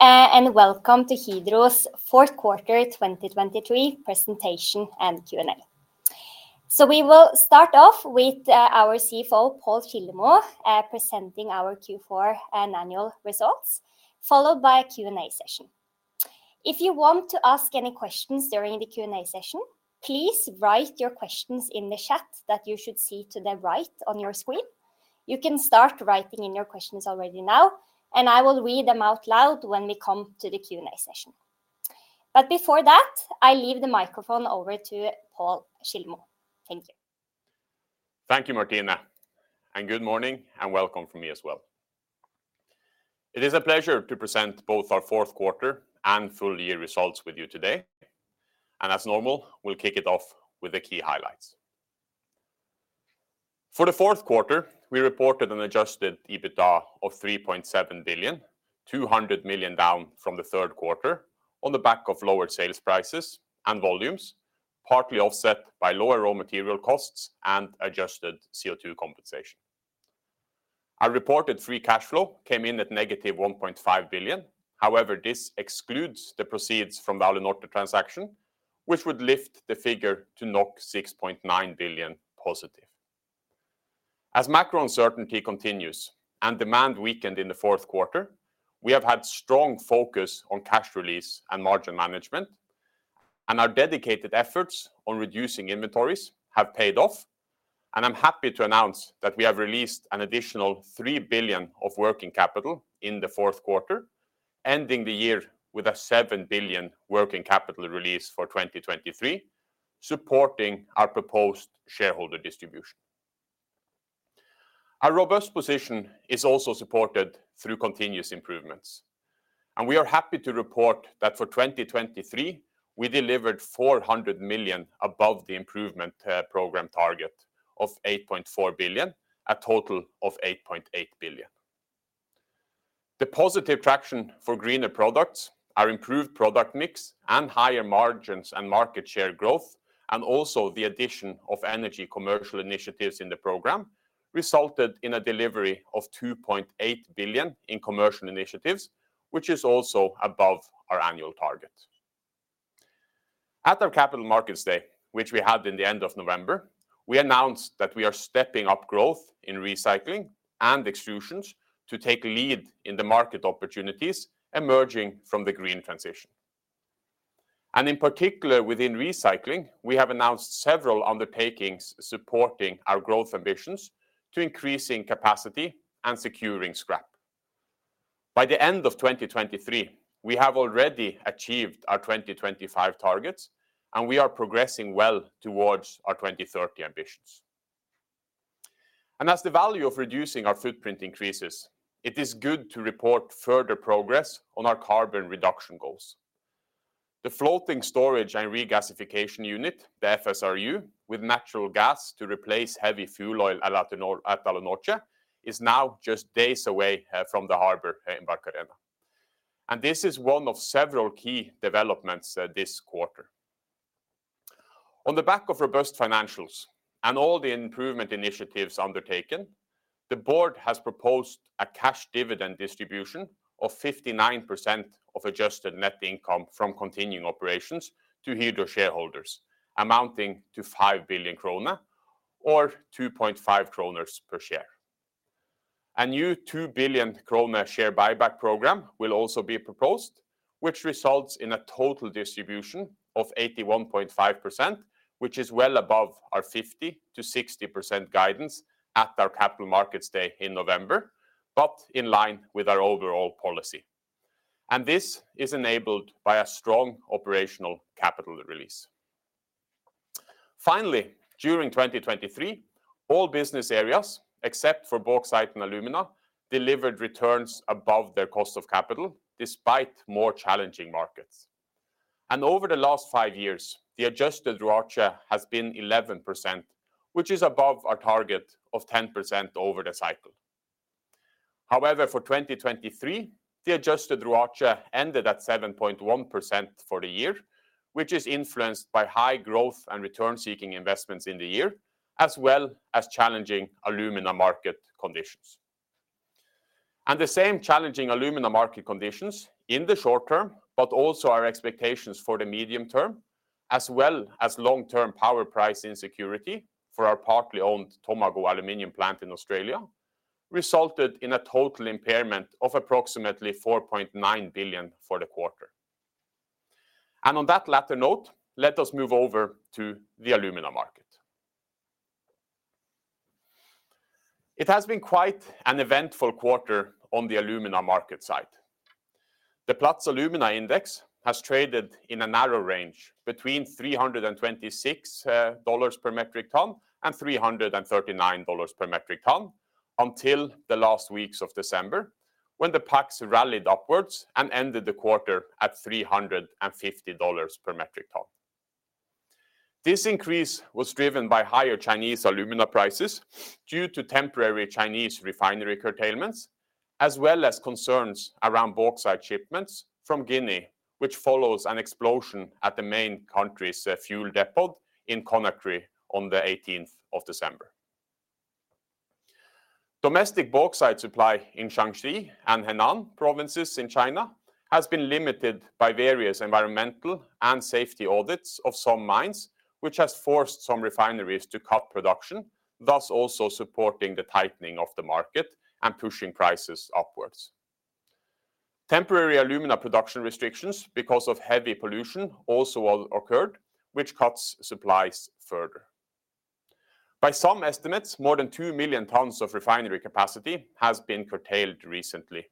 Welcome to Hydro's fourth quarter 2023 presentation and Q&A. We will start off with our CFO, Pål Kildemo, presenting our Q4 annual results, followed by a Q&A session. If you want to ask any questions during the Q&A session, please write your questions in the chat that you should see to the right on your screen. You can start writing in your questions already now, and I will read them out loud when we come to the Q&A session. Before that, I leave the microphone over to Pål Kildemo. Thank you. Thank you, Martine. Good morning and welcome from me as well. It is a pleasure to present both our fourth quarter and full year results with you today. As normal, we'll kick it off with the key highlights. For the fourth quarter, we reported an Adjusted EBITDA of 3.7 billion, 200 million down from the third quarter on the back of lowered sales prices and volumes, partly offset by lower raw material costs and Adjusted CO2 compensation. Our reported free cash flow came in at negative 1.5 billion. However, this excludes the proceeds from the Alunorte transaction, which would lift the figure to 6.9 billion positive. As macro uncertainty continues and demand weakened in the fourth quarter, we have had strong focus on cash release and margin management, and our dedicated efforts on reducing inventories have paid off. I'm happy to announce that we have released an additional 3 billion of working capital in the fourth quarter, ending the year with a 7 billion working capital release for 2023, supporting our proposed shareholder distribution. Our robust position is also supported through continuous improvements, and we are happy to report that for 2023, we delivered 400 million above the improvement program target of 8.4 billion, a total of 8.8 billion. The positive traction for greener products, our improved product mix, and higher margins and market share growth, and also the addition of energy commercial initiatives in the program, resulted in a delivery of 2.8 billion in commercial initiatives, which is also above our annual target. At our Capital Markets Day, which we had in the end of November, we announced that we are stepping up growth in recycling and extrusions to take lead in the market opportunities emerging from the green transition. In particular, within recycling, we have announced several undertakings supporting our growth ambitions to increasing capacity and securing scrap. By the end of 2023, we have already achieved our 2025 targets, and we are progressing well towards our 2030 ambitions. As the value of reducing our footprint increases, it is good to report further progress on our carbon reduction goals. The Floating Storage and Regasification Unit, the FSRU, with natural gas to replace heavy fuel oil at Alunorte, is now just days away from the harbor in Barcarena. This is one of several key developments this quarter. On the back of robust financials and all the improvement initiatives undertaken, the board has proposed a cash dividend distribution of 59% of adjusted net income from continuing operations to Hydro shareholders, amounting to 5 billion krone or 2.5 kroner per share. A new 2 billion krone share buyback program will also be proposed, which results in a total distribution of 81.5%, which is well above our 50%-60% guidance at our Capital Markets Day in November, but in line with our overall policy. And this is enabled by a strong operational capital release. Finally, during 2023, all business areas, except for bauxite and alumina, delivered returns above their cost of capital, despite more challenging markets. And over the last five years, the adjusted ROAC has been 11%, which is above our target of 10% over the cycle. However, for 2023, the adjusted ROAC ended at 7.1% for the year, which is influenced by high growth and return-seeking investments in the year, as well as challenging alumina market conditions. The same challenging alumina market conditions in the short term, but also our expectations for the medium term, as well as long-term power price insecurity for our partly owned Tomago Aluminium plant in Australia, resulted in a total impairment of approximately 4.9 billion for the quarter. On that latter note, let us move over to the alumina market. It has been quite an eventful quarter on the alumina market side. The Platts Alumina Index has traded in a narrow range between $326-$339 per metric ton until the last weeks of December, when the PAX rallied upwards and ended the quarter at $350 per metric ton. This increase was driven by higher Chinese alumina prices due to temporary Chinese refinery curtailments, as well as concerns around bauxite shipments from Guinea, which follows an explosion at the main country's fuel depot in Conakry on the December 18th. Domestic bauxite supply in Shanxi and Henan provinces in China has been limited by various environmental and safety audits of some mines, which has forced some refineries to cut production, thus also supporting the tightening of the market and pushing prices upwards. Temporary alumina production restrictions because of heavy pollution also occurred, which cuts supplies further. By some estimates, more than 2 million tons of refinery capacity has been curtailed recently.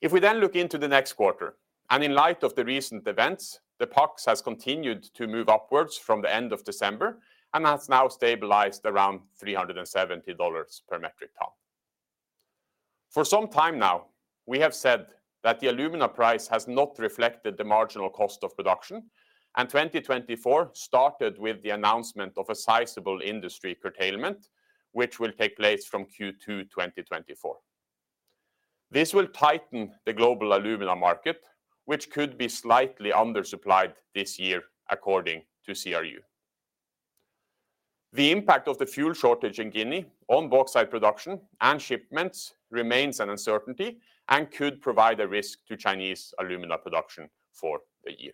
If we then look into the next quarter and in light of the recent events, the PAX has continued to move upwards from the end of December and has now stabilized around $370 per metric ton. For some time now, we have said that the alumina price has not reflected the marginal cost of production, and 2024 started with the announcement of a sizable industry curtailment, which will take place from Q2 2024. This will tighten the global alumina market, which could be slightly undersupplied this year, according to CRU. The impact of the fuel shortage in Guinea on bauxite production and shipments remains uncertainty and could provide a risk to Chinese alumina production for the year.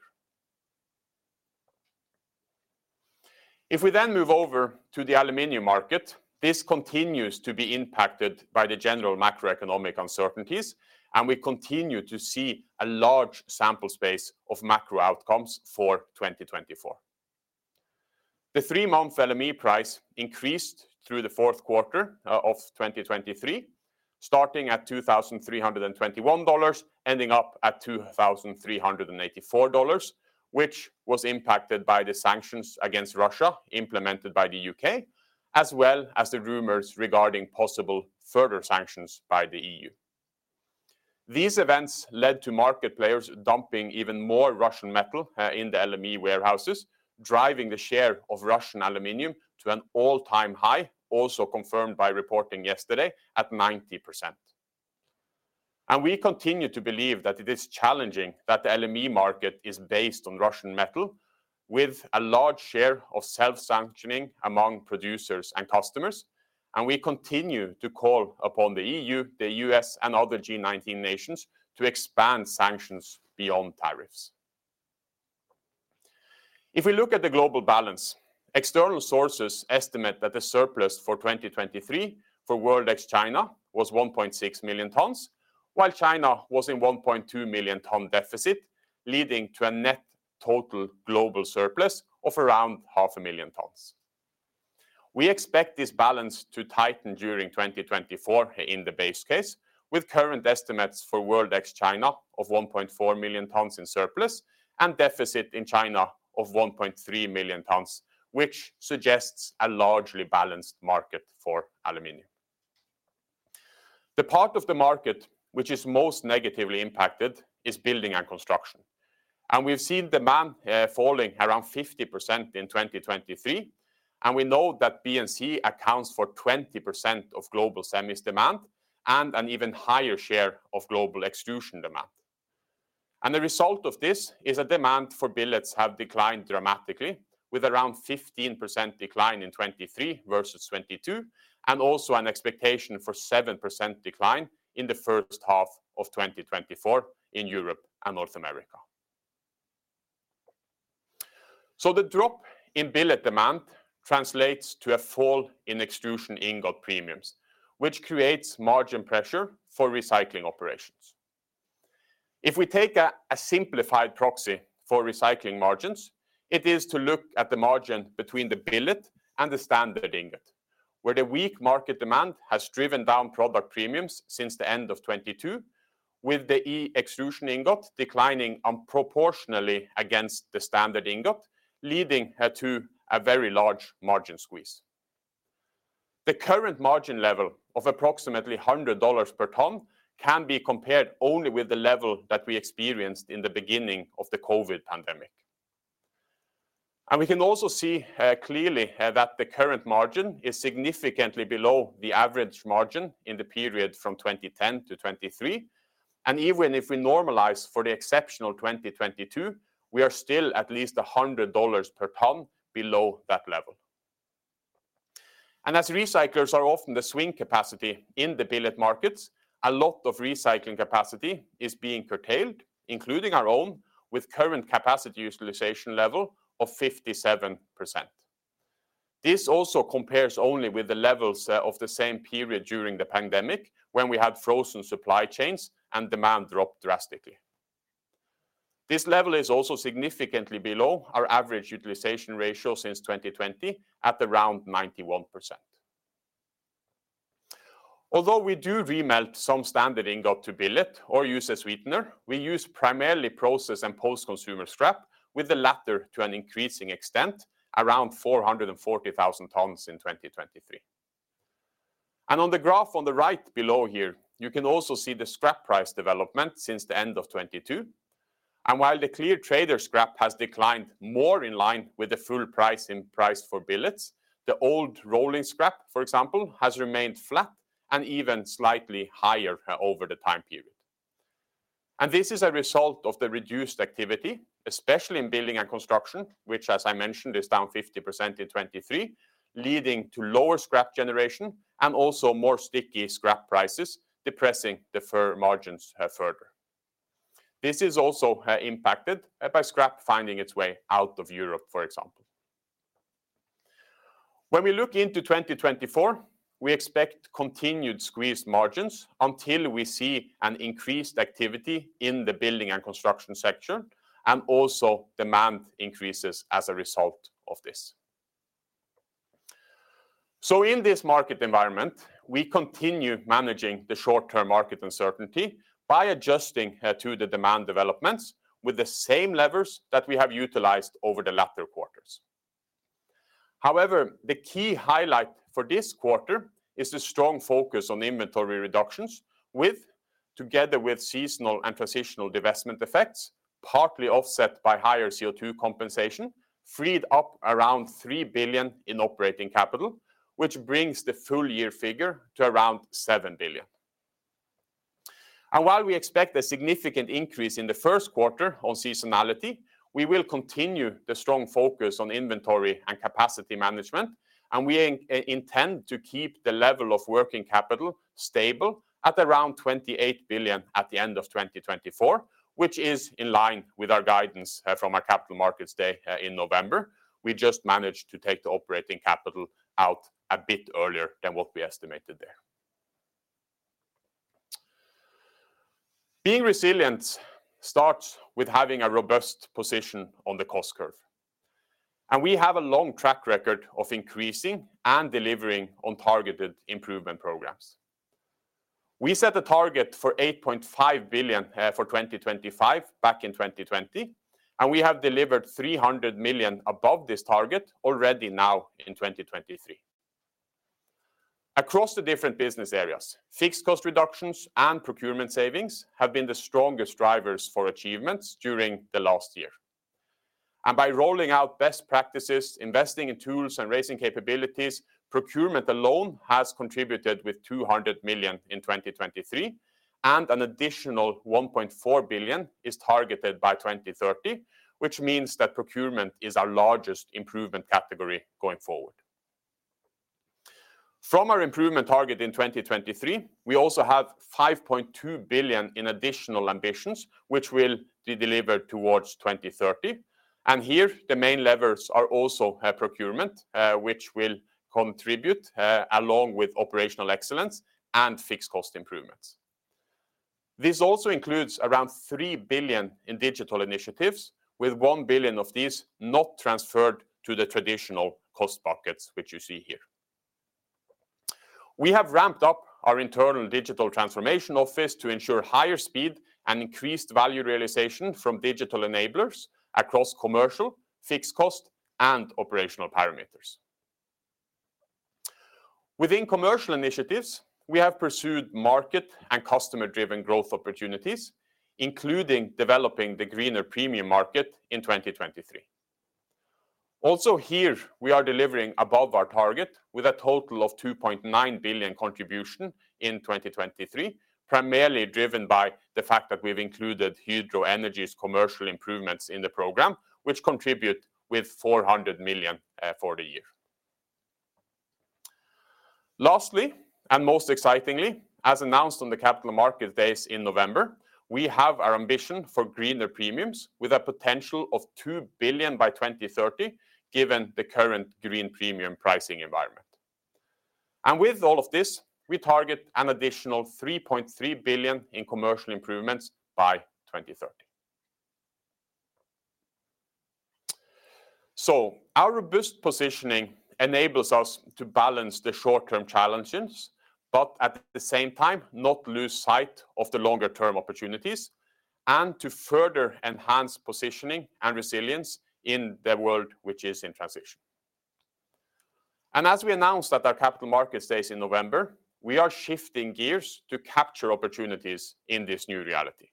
If we then move over to the aluminium market, this continues to be impacted by the general macroeconomic uncertainties, and we continue to see a large sample space of macro outcomes for 2024. The three-month LME price increased through the fourth quarter of 2023, starting at $2,321, ending up at $2,384, which was impacted by the sanctions against Russia implemented by the U.K., as well as the rumors regarding possible further sanctions by the EU. These events led to market players dumping even more Russian metal in the LME warehouses, driving the share of Russian aluminum to an all-time high, also confirmed by reporting yesterday at 90%. We continue to believe that it is challenging that the LME market is based on Russian metal, with a large share of self-sanctioning among producers and customers. We continue to call upon the EU, the U.S., and other G19 nations to expand sanctions beyond tariffs. If we look at the global balance, external sources estimate that the surplus for 2023 for World ex China was 1.6 million tons, while China was in 1.2 million ton deficit, leading to a net total global surplus of around 500,000 tons. We expect this balance to tighten during 2024 in the base case, with current estimates for World ex China of 1.4 million tons in surplus and deficit in China of 1.3 million tons, which suggests a largely balanced market for aluminum. The part of the market which is most negatively impacted is building and construction. We've seen demand falling around 50% in 2023. We know that BNC accounts for 20% of global semis demand and an even higher share of global extrusion demand. The result of this is that demand for billets has declined dramatically, with around 15% decline in 2023 versus 2022, and also an expectation for 7% decline in the first half of 2024 in Europe and North America. So the drop in billet demand translates to a fall in extrusion ingot premiums, which creates margin pressure for recycling operations. If we take a simplified proxy for recycling margins, it is to look at the margin between the billet and the standard ingot, where the weak market demand has driven down product premiums since the end of 2022, with the extrusion ingot declining disproportionately against the standard ingot, leading to a very large margin squeeze. The current margin level of approximately $100 per ton can be compared only with the level that we experienced in the beginning of the COVID pandemic. We can also see clearly that the current margin is significantly below the average margin in the period from 2010 to 2023. Even if we normalize for the exceptional 2022, we are still at least $100 per ton below that level. As recyclers are often the swing capacity in the billet markets, a lot of recycling capacity is being curtailed, including our own, with current capacity utilization level of 57%. This also compares only with the levels of the same period during the pandemic, when we had frozen supply chains and demand dropped drastically. This level is also significantly below our average utilization ratio since 2020, at around 91%. Although we do remelt some standard ingot to billet or use a sweetener, we use primarily processed and post-consumer scrap, with the latter to an increasing extent, around 440,000 tons in 2023. On the graph on the right below here, you can also see the scrap price development since the end of 2022. While the clear trader scrap has declined more in line with the full price priced for billets, the old rolling scrap, for example, has remained flat and even slightly higher over the time period. This is a result of the reduced activity, especially in building and construction, which, as I mentioned, is down 50% in 2023, leading to lower scrap generation and also more sticky scrap prices, depressing the margins further. This is also impacted by scrap finding its way out of Europe, for example. When we look into 2024, we expect continued squeezed margins until we see an increased activity in the building and construction sector and also demand increases as a result of this. In this market environment, we continue managing the short-term market uncertainty by adjusting to the demand developments with the same levers that we have utilized over the latter quarters. However, the key highlight for this quarter is the strong focus on inventory reductions, which, together with seasonal and transitional divestment effects, partly offset by higher CO2 compensation, freed up around $3 billion in operating capital, which brings the full-year figure to around 7 billion. While we expect a significant increase in the first quarter on seasonality, we will continue the strong focus on inventory and capacity management, and we intend to keep the level of working capital stable at around $28 billion at the end of 2024, which is in line with our guidance from our Capital Markets Day in November. We just managed to take the operating capital out a bit earlier than what we estimated there. Being resilient starts with having a robust position on the cost curve. We have a long track record of increasing and delivering on targeted improvement programs. We set a target for $8.5 billion for 2025 back in 2020, and we have delivered $300 million above this target already now in 2023. Across the different business areas, fixed cost reductions and procurement savings have been the strongest drivers for achievements during the last year. By rolling out best practices, investing in tools, and raising capabilities, procurement alone has contributed with 200 million in 2023, and an additional 1.4 billion is targeted by 2030, which means that procurement is our largest improvement category going forward. From our improvement target in 2023, we also have 5.2 billion in additional ambitions, which will be delivered towards 2030. Here, the main levers are also procurement, which will contribute along with operational excellence and fixed cost improvements. This also includes around 3 billion in digital initiatives, with 1 billion of these not transferred to the traditional cost buckets, which you see here. We have ramped up our internal digital transformation office to ensure higher speed and increased value realization from digital enablers across commercial, fixed cost, and operational parameters. Within commercial initiatives, we have pursued market and customer-driven growth opportunities, including developing the greener premium market in 2023. Also, here, we are delivering above our target with a total of 2.9 billion contribution in 2023, primarily driven by the fact that we've included Hydro Energy's commercial improvements in the program, which contribute with 400 million for the year. Lastly, and most excitingly, as announced on the Capital Markets Days in November, we have our ambition for greener premiums with a potential of 2 billion by 2030, given the current green premium pricing environment. With all of this, we target an additional 3.3 billion in commercial improvements by 2030. Our robust positioning enables us to balance the short-term challenges, but at the same time, not lose sight of the longer-term opportunities and to further enhance positioning and resilience in the world which is in transition. As we announced at our Capital Markets Days in November, we are shifting gears to capture opportunities in this new reality.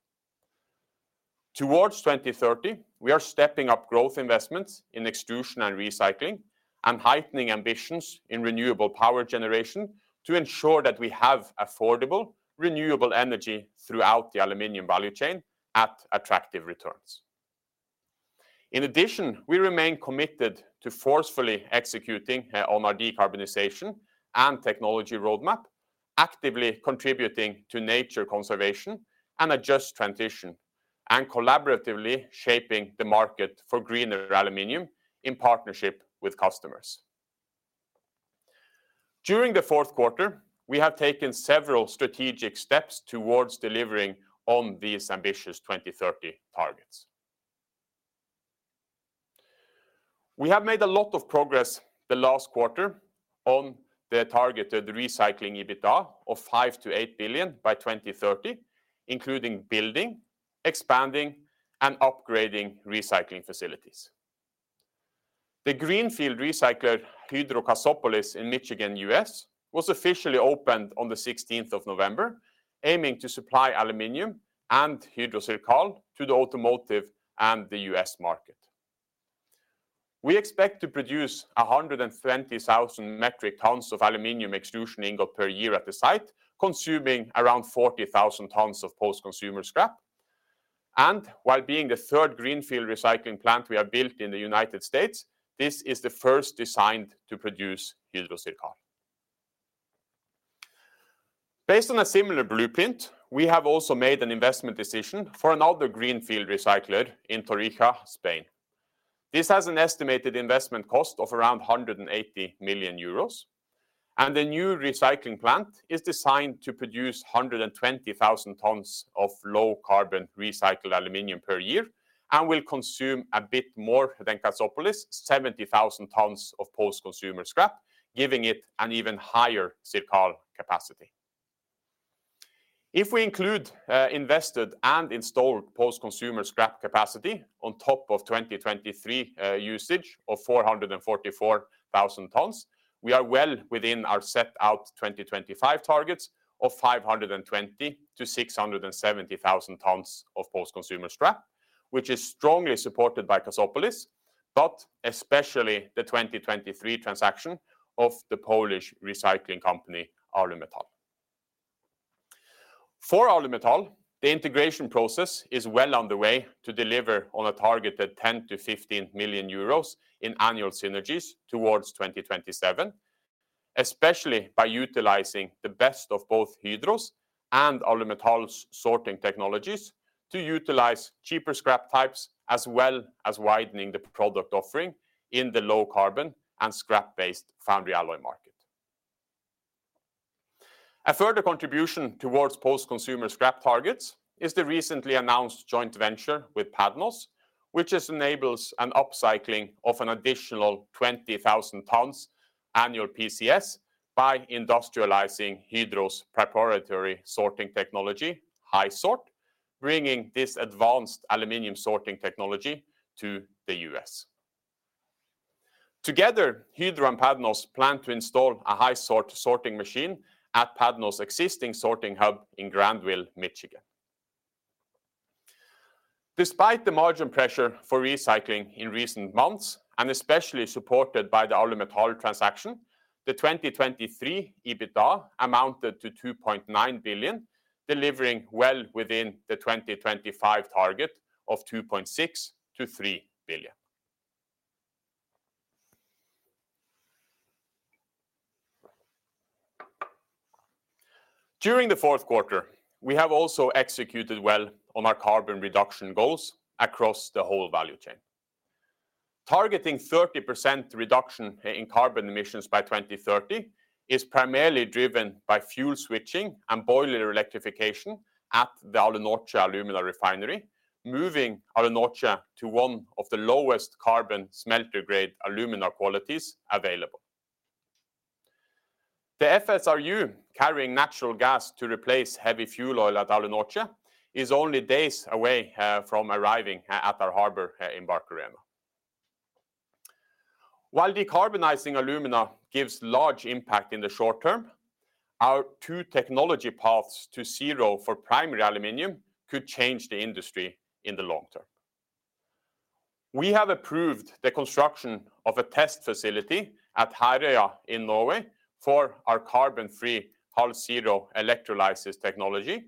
Towards 2030, we are stepping up growth investments in extrusion and recycling and heightening ambitions in renewable power generation to ensure that we have affordable renewable energy throughout the aluminum value chain at attractive returns. In addition, we remain committed to forcefully executing on our decarbonization and technology roadmap, actively contributing to nature conservation and a just transition, and collaboratively shaping the market for greener aluminum in partnership with customers. During the fourth quarter, we have taken several strategic steps towards delivering on these ambitious 2030 targets. We have made a lot of progress the last quarter on the targeted recycling EBITDA of 5 billion-8 billion by 2030, including building, expanding, and upgrading recycling facilities. The greenfield recycler Hydro Cassopolis in Michigan, U.S., was officially opened on the 16th of November, aiming to supply aluminum and Hydro CIRCAL to the automotive and the U.S. market. We expect to produce 120,000 metric tons of aluminum extrusion ingot per year at the site, consuming around 40,000 tons of post-consumer scrap. While being the third greenfield recycling plant we have built in the United States, this is the first designed to produce Hydro CIRCAL. Based on a similar blueprint, we have also made an investment decision for another greenfield recycler in Torija, Spain. This has an estimated investment cost of around 180 million euros. And the new recycling plant is designed to produce 120,000 tons of low-carbon recycled aluminum per year and will consume a bit more than Cassopolis, 70,000 tons of post-consumer scrap, giving it an even higher CIRCAL capacity. If we include invested and installed post-consumer scrap capacity on top of 2023 usage of 444,000 tons, we are well within our set 2025 targets of 520,000-670,000 tons of post-consumer scrap, which is strongly supported by Cassopolis, but especially the 2023 transaction of the Polish recycling company Alumetal. For Alumetal, the integration process is well underway to deliver on a targeted 10 million-15 million euros in annual synergies towards 2027, especially by utilizing the best of both Hydro's and Alumetal's sorting technologies to utilize cheaper scrap types as well as widening the product offering in the low-carbon and scrap-based foundry alloy market. A further contribution towards post-consumer scrap targets is the recently announced joint venture with Padnos, which enables an upcycling of an additional 20,000 tons annual PCS by industrializing Hydro's preparatory sorting technology, HySort, bringing this advanced aluminum sorting technology to the U.S. Together, Hydro and Padnos plan to install a HySort sorting machine at Padnos' existing sorting hub in Grandville, Michigan. Despite the margin pressure for recycling in recent months, and especially supported by the Alumetal transaction, the 2023 EBITDA amounted to $2.9 billion, delivering well within the 2025 target of $2.6 billion-$3 billion. During the fourth quarter, we have also executed well on our carbon reduction goals across the whole value chain. Targeting 30% reduction in carbon emissions by 2030 is primarily driven by fuel switching and boiler electrification at the Alunorte alumina refinery, moving Alunorte to one of the lowest carbon smelter-grade alumina qualities available. The FSRU carrying natural gas to replace heavy fuel oil at Alunorte is only days away from arriving at our harbor in Barcarena. While decarbonizing alumina gives large impact in the short term, our two technology paths to zero for primary aluminum could change the industry in the long term. We have approved the construction of a test facility at Herøya in Norway for our carbon-free HalZero electrolysis technology,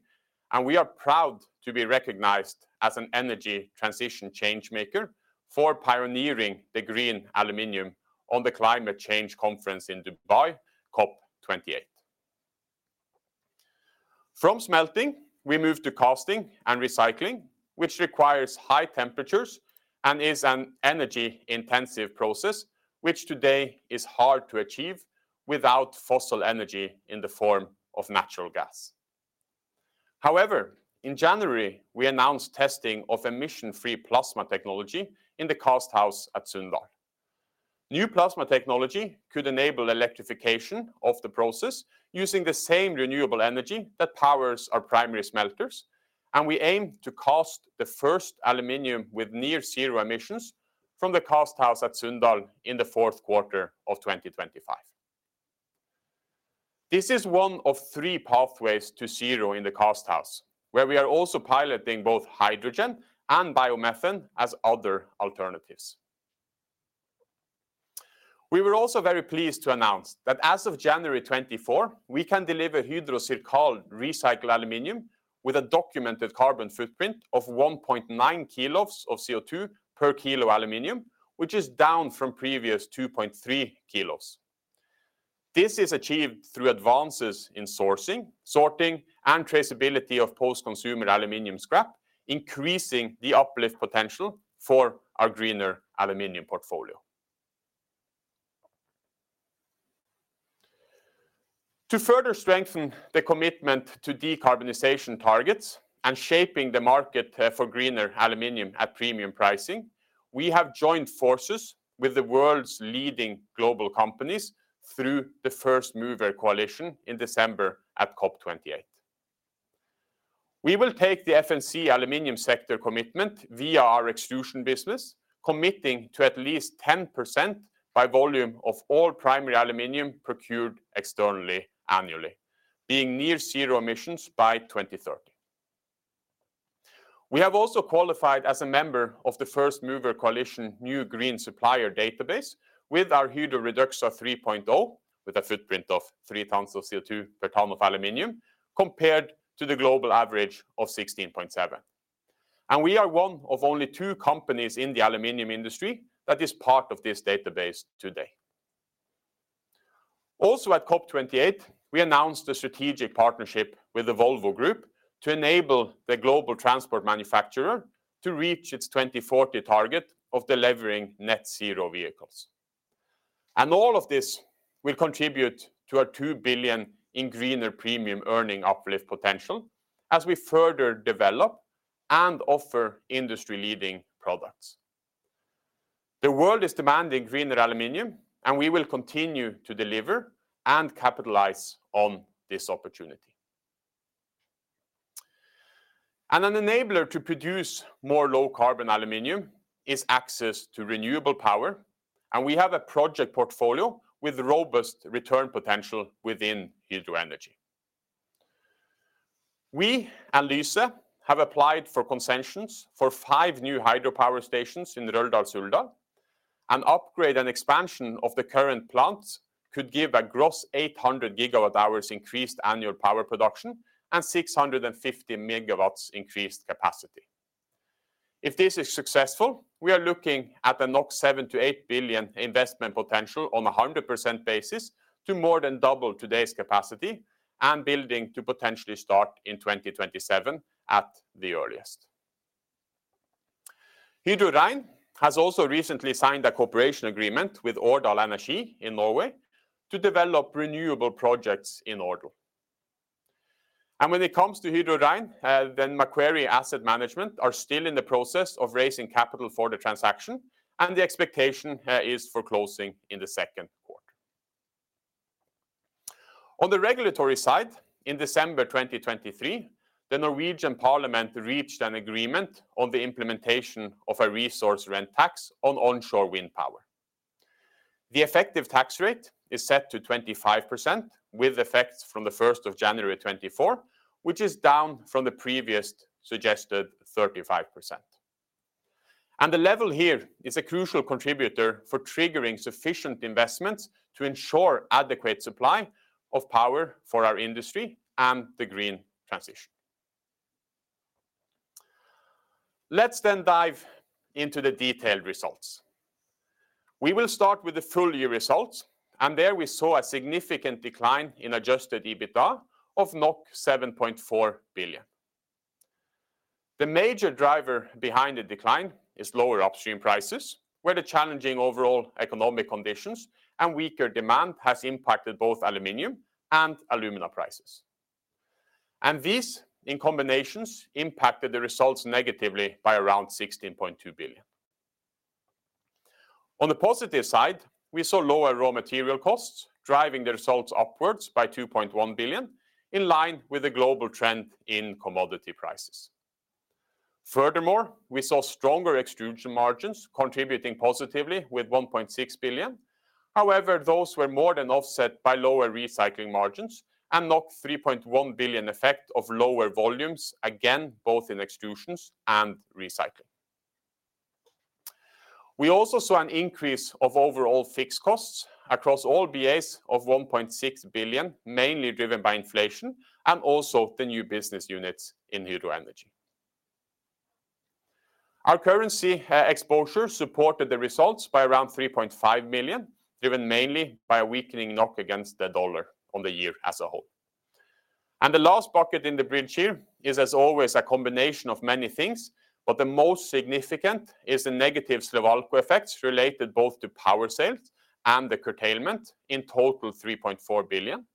and we are proud to be recognized as an energy transition change maker for pioneering the green aluminum on the Climate Change Conference in Dubai, COP28. From smelting, we move to casting and recycling, which requires high temperatures and is an energy-intensive process, which today is hard to achieve without fossil energy in the form of natural gas. However, in January, we announced testing of emission-free plasma technology in the cast house at Sunndal. New plasma technology could enable electrification of the process using the same renewable energy that powers our primary smelters, and we aim to cast the first aluminum with near-zero emissions from the cast house at Sunndal in the fourth quarter of 2025. This is one of three pathways to zero in the cast house, where we are also piloting both hydrogen and biomethane as other alternatives. We were also very pleased to announce that as of January 2024, we can deliver Hydro CIRCAL recycled aluminum with a documented carbon footprint of 1.9 kilos of CO2 per kilo aluminum, which is down from previous 2.3 kilos. This is achieved through advances in sourcing, sorting, and traceability of post-consumer aluminum scrap, increasing the uplift potential for our greener aluminum portfolio. To further strengthen the commitment to decarbonization targets and shape the market for greener aluminum at premium pricing, we have joined forces with the world's leading global companies through the First Mover Coalition in December at COP28. We will take the FMC aluminum sector commitment via our extrusion business, committing to at least 10% by volume of all primary aluminum procured externally annually, with near-zero emissions by 2030. We have also qualified as a member of the First Mover Coalition New Green Supplier Database with our Hydro REDUXA 3.0, with a footprint of 3 tons of CO2 per tonne of aluminum, compared to the global average of 16.7. We are one of only two companies in the aluminum industry that is part of this database today. At COP28, we announced a strategic partnership with the Volvo Group to enable the global transport manufacturer to reach its 2040 target of delivering net-zero vehicles. All of this will contribute to our $2 billion in greener premium earning uplift potential as we further develop and offer industry-leading products. The world is demanding greener aluminum, and we will continue to deliver and capitalize on this opportunity. An enabler to produce more low-carbon aluminium is access to renewable power, and we have a project portfolio with robust return potential within Hydro Energy. We and Lyse have applied for concessions for five new hydropower stations in Røldal-Suldal, and the upgrade and expansion of the current plants could give a gross 800 GWh increased annual power production and 650 MW increased capacity. If this is successful, we are looking at another 7 billion-8 billion investment potential on a 100% basis to more than double today's capacity and building to potentially start in 2027 at the earliest. Hydro Rein has also recently signed a cooperation agreement with Årdal Energi in Norway to develop renewable projects in Årdal. When it comes to Hydro Rein, then Macquarie Asset Management is still in the process of raising capital for the transaction, and the expectation is for closing in the second quarter. On the regulatory side, in December 2023, the Norwegian Parliament reached an agreement on the implementation of a resource rent tax on onshore wind power. The effective tax rate is set to 25% with effects from the January 1st 2024, which is down from the previous suggested 35%. The level here is a crucial contributor for triggering sufficient investments to ensure adequate supply of power for our industry and the green transition. Let's then dive into the detailed results. We will start with the full year results, and there we saw a significant decline in Adjusted EBITDA of 7.4 billion. The major driver behind the decline is lower upstream prices, where the challenging overall economic conditions and weaker demand have impacted both aluminium and alumina prices. These, in combination, impacted the results negatively by around 16.2 billion. On the positive side, we saw lower raw material costs driving the results upwards by 2.1 billion, in line with the global trend in commodity prices. Furthermore, we saw stronger extrusion margins contributing positively with 1.6 billion. However, those were more than offset by lower recycling margins and the 3.1 billion effect of lower volumes again, both in extrusions and recycling. We also saw an increase in overall fixed costs across all BAs of 1.6 billion, mainly driven by inflation and also the new business units in Hydro Energy. Our currency exposure supported the results by around 3.5 million, driven mainly by a weakening NOK against the dollar over the year as a whole. The last bucket in the bridge here is, as always, a combination of many things, but the most significant is the negative Slovalco effects related both to power sales and the curtailment in total 3.4 billion.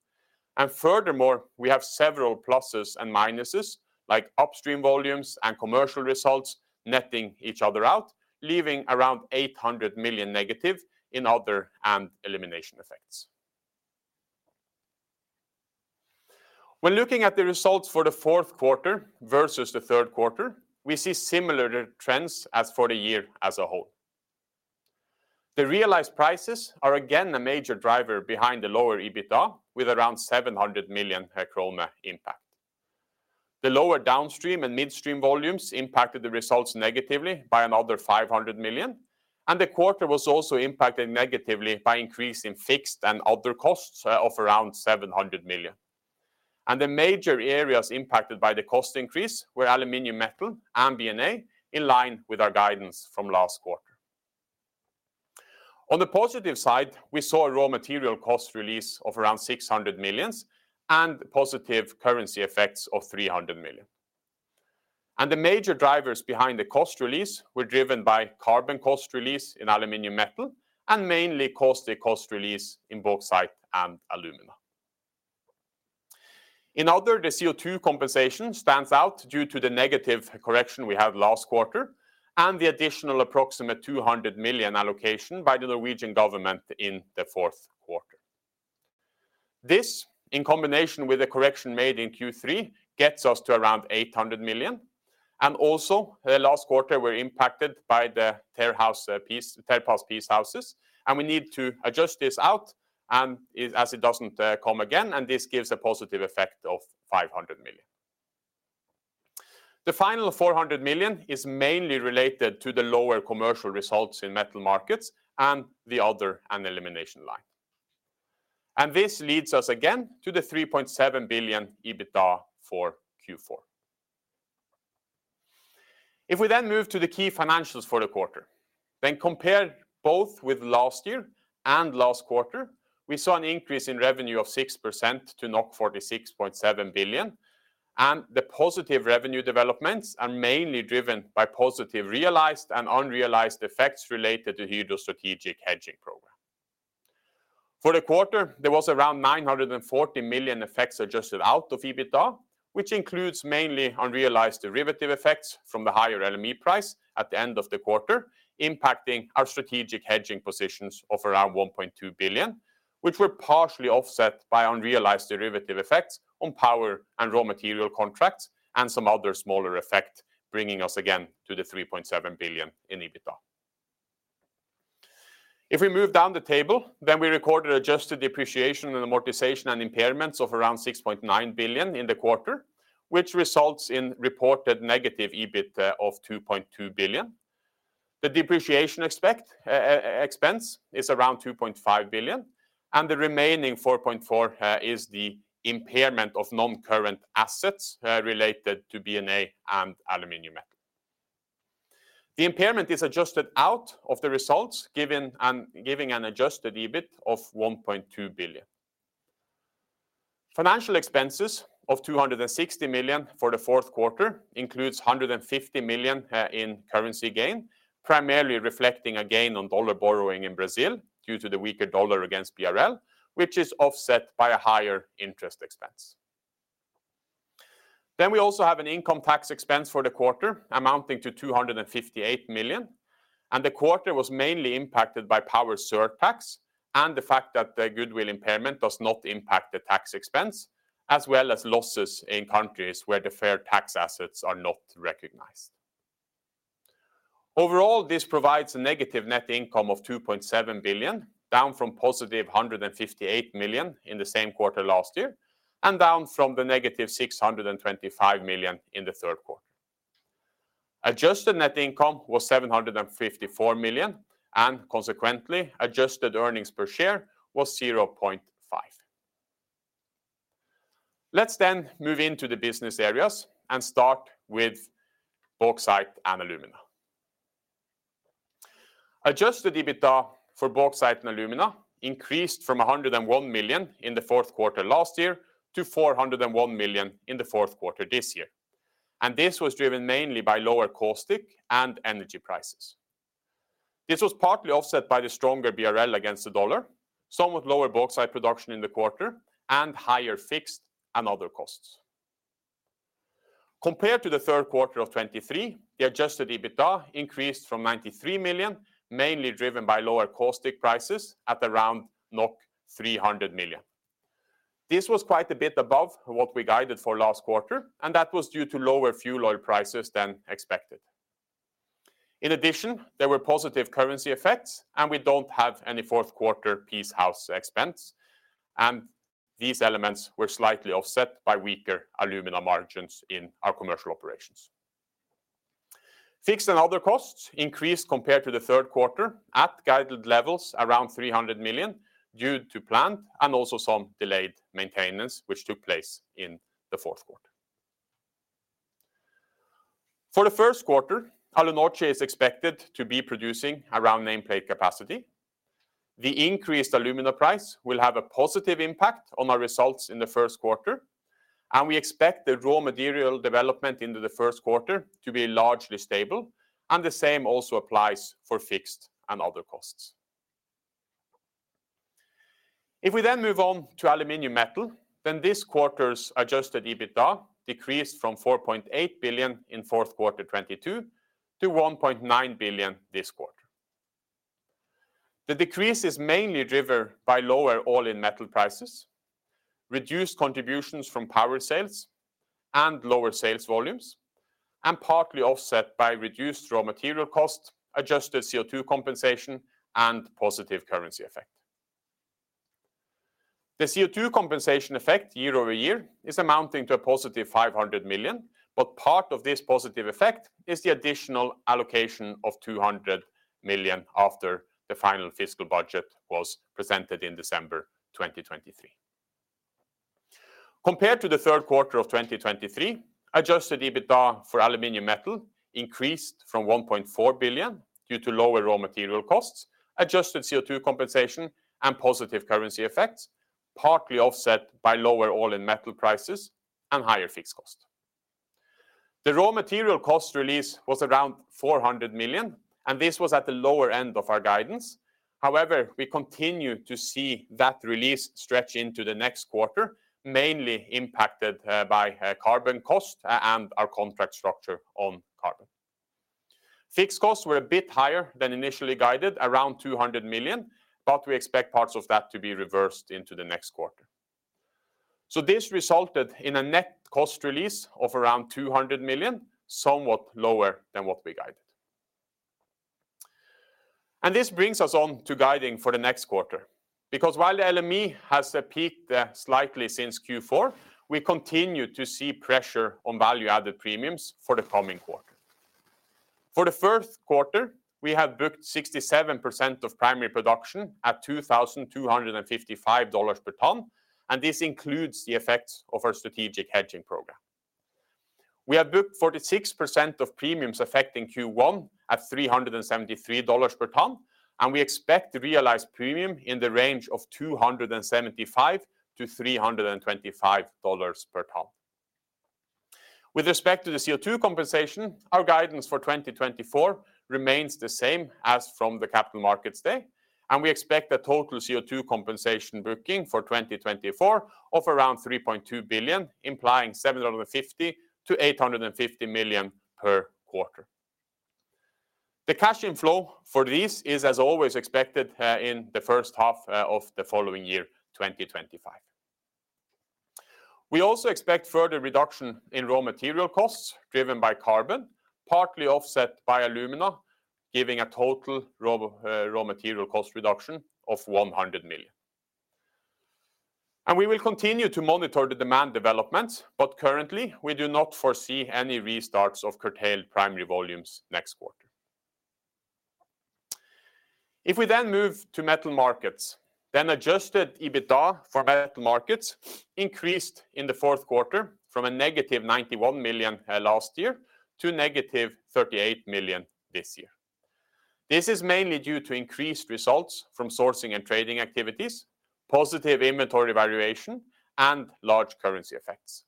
Furthermore, we have several pluses and minuses like upstream volumes and commercial results netting each other out, leaving around 800 million negative in other and elimination effects. When looking at the results for the fourth quarter versus the third quarter, we see similar trends as for the year as a whole. The realized prices are again a major driver behind the lower EBITDA with around $700 million per quarter impact. The lower downstream and midstream volumes impacted the results negatively by another $500 million, and the quarter was also impacted negatively by an increase in fixed and other costs of around $700 million. The major areas impacted by the cost increase were aluminum metal and B&A, in line with our guidance from last quarter. On the positive side, we saw a raw material cost release of around 600 million and positive currency effects of 300 million. The major drivers behind the cost release were driven by carbon cost release in aluminum metal and mainly caustic the cost release in bauxite and alumina. In other, the CO2 compensation stands out due to the negative correction we had last quarter and the additional approximate 200 million allocation by the Norwegian government in the fourth quarter. This, in combination with the correction made in Q3, gets us to around 800 million. Also, last quarter, we were impacted by the TerPaz Peace Houses, and we need to adjust this out as it doesn't come again, and this gives a positive effect of 500 million. The final 400 million is mainly related to the lower commercial results in Metal Markets and the Other and Eliminations line. This leads us again to the 3.7 billion EBITDA for Q4. If we then move to the key financials for the quarter, then compare both with last year and last quarter, we saw an increase in revenue of 6% to 46.7 billion, and the positive revenue developments are mainly driven by positive realized and unrealized effects related to the Hydro strategic hedging program. For the quarter, there were around 940 million effects adjusted out of EBITDA, which includes mainly unrealized derivative effects from the higher LME price at the end of the quarter, impacting our strategic hedging positions of around 1.2 billion, which were partially offset by unrealized derivative effects on power and raw material contracts and some other smaller effects bringing us again to the 3.7 billion in EBITDA. If we move down the table, then we recorded adjusted depreciation and amortization and impairments of around 6.9 billion in the quarter, which results in reported negative EBITDA of 2.2 billion. The depreciation expense is around 2.5 billion, and the remaining 4.4 billion is the impairment of non-current assets related to B&A and aluminum metal. The impairment is adjusted out of the results giving an Adjusted EBITDA of 1.2 billion. Financial expenses of 260 million for the fourth quarter include 150 million in currency gain, primarily reflecting a gain on dollar borrowing in Brazil due to the weaker dollar against BRL, which is offset by a higher interest expense. Then we also have an income tax expense for the quarter amounting to 258 million, and the quarter was mainly impacted by power surtax and the fact that the goodwill impairment does not impact the tax expense, as well as losses in countries where the fair tax assets are not recognized. Overall, this provides a negative net income of 2.7 billion, down from positive 158 million in the same quarter last year and down from the negative 625 million in the third quarter. Adjusted net income was 754 million, and consequently, adjusted earnings per share was 0.5 billion. Let's then move into the business areas and start with bauxite and alumina. Adjusted EBITDA for bauxite and alumina increased from 101 million in the fourth quarter last year to 401 million in the fourth quarter this year. This was driven mainly by lower caustic and energy prices. This was partly offset by the stronger BRL against the dollar, somewhat lower bauxite production in the quarter, and higher fixed and other costs. Compared to the third quarter of 2023, the Adjusted EBITDA increased from $93 million, mainly driven by lower caustic prices at around 300 million. This was quite a bit above what we guided for last quarter, and that was due to lower fuel oil prices than expected. In addition, there were positive currency effects, and we don't have any fourth quarter peace house expenses, and these elements were slightly offset by weaker alumina margins in our commercial operations. Fixed and other costs increased compared to the third quarter at guided levels around 300 million due to planned and also some delayed maintenance, which took place in the fourth quarter. For the first quarter, Alunorte is expected to be producing around nameplate capacity. The increased alumina price will have a positive impact on our results in the first quarter, and we expect the raw material development into the first quarter to be largely stable, and the same also applies to fixed and other costs. If we then move on to aluminum metal, then this quarter's Adjusted EBITDA decreased from 4.8 billion in the fourth quarter of 2022 to 1.9 billion this quarter. The decrease is mainly driven by lower all-in metal prices, reduced contributions from power sales, and lower sales volumes, and partly offset by reduced raw material cost, Adjusted CO2 compensation, and opositive currency effect. The CO2 compensation effect year-over-year is amounting to a positive 500 million, but part of this positive effect is the additional allocation of 200 million after the final fiscal budget was presented in December 2023. Compared to the third quarter of 2023, Adjusted EBITDA for aluminum metal increased from 1.4 billion due to lower raw material costs, Adjusted CO2 compensation, and positive currency effects, partly offset by lower all-in metal prices and higher fixed costs. The raw material cost release was around 400 million, and this was at the lower end of our guidance. However, we continue to see that release stretch into the next quarter, mainly impacted by carbon cost and our contract structure on carbon. Fixed costs were a bit higher than initially guided, around 200 million, but we expect parts of that to be reversed into the next quarter. This resulted in a net cost release of around 200 million, somewhat lower than what we guided. This brings us on to guiding for the next quarter because while the LME has peaked slightly since Q4, we continue to see pressure on value-added premiums for the coming quarter. For the first quarter, we have booked 67% of primary production at $2,255 per ton, and this includes the effects of our strategic hedging program. We have booked 46% of premiums affecting Q1 at $373 per ton, and we expect realized premiums in the range of $275-$325 per ton. With respect to the CO2 compensation, our guidance for 2024 remains the same as from the Capital Markets Day, and we expect a total CO2 compensation booking for 2024 of around 3.2 billion, implying 750 million-850 million per quarter. The cash inflow for these is, as always, expected in the first half of the following year, 2025. We also expect further reduction in raw material costs driven by carbon, partly offset by alumina, giving a total raw material cost reduction of 100 million. We will continue to monitor the demand developments, but currently, we do not foresee any restarts of curtailed primary volumes next quarter. If we then move to metal markets, then Adjusted EBITDA for metal markets increased in the fourth quarter from a negative 91 million last year to negative 38 million this year. This is mainly due to increased results from sourcing and trading activities, positive inventory valuation, and large currency effects.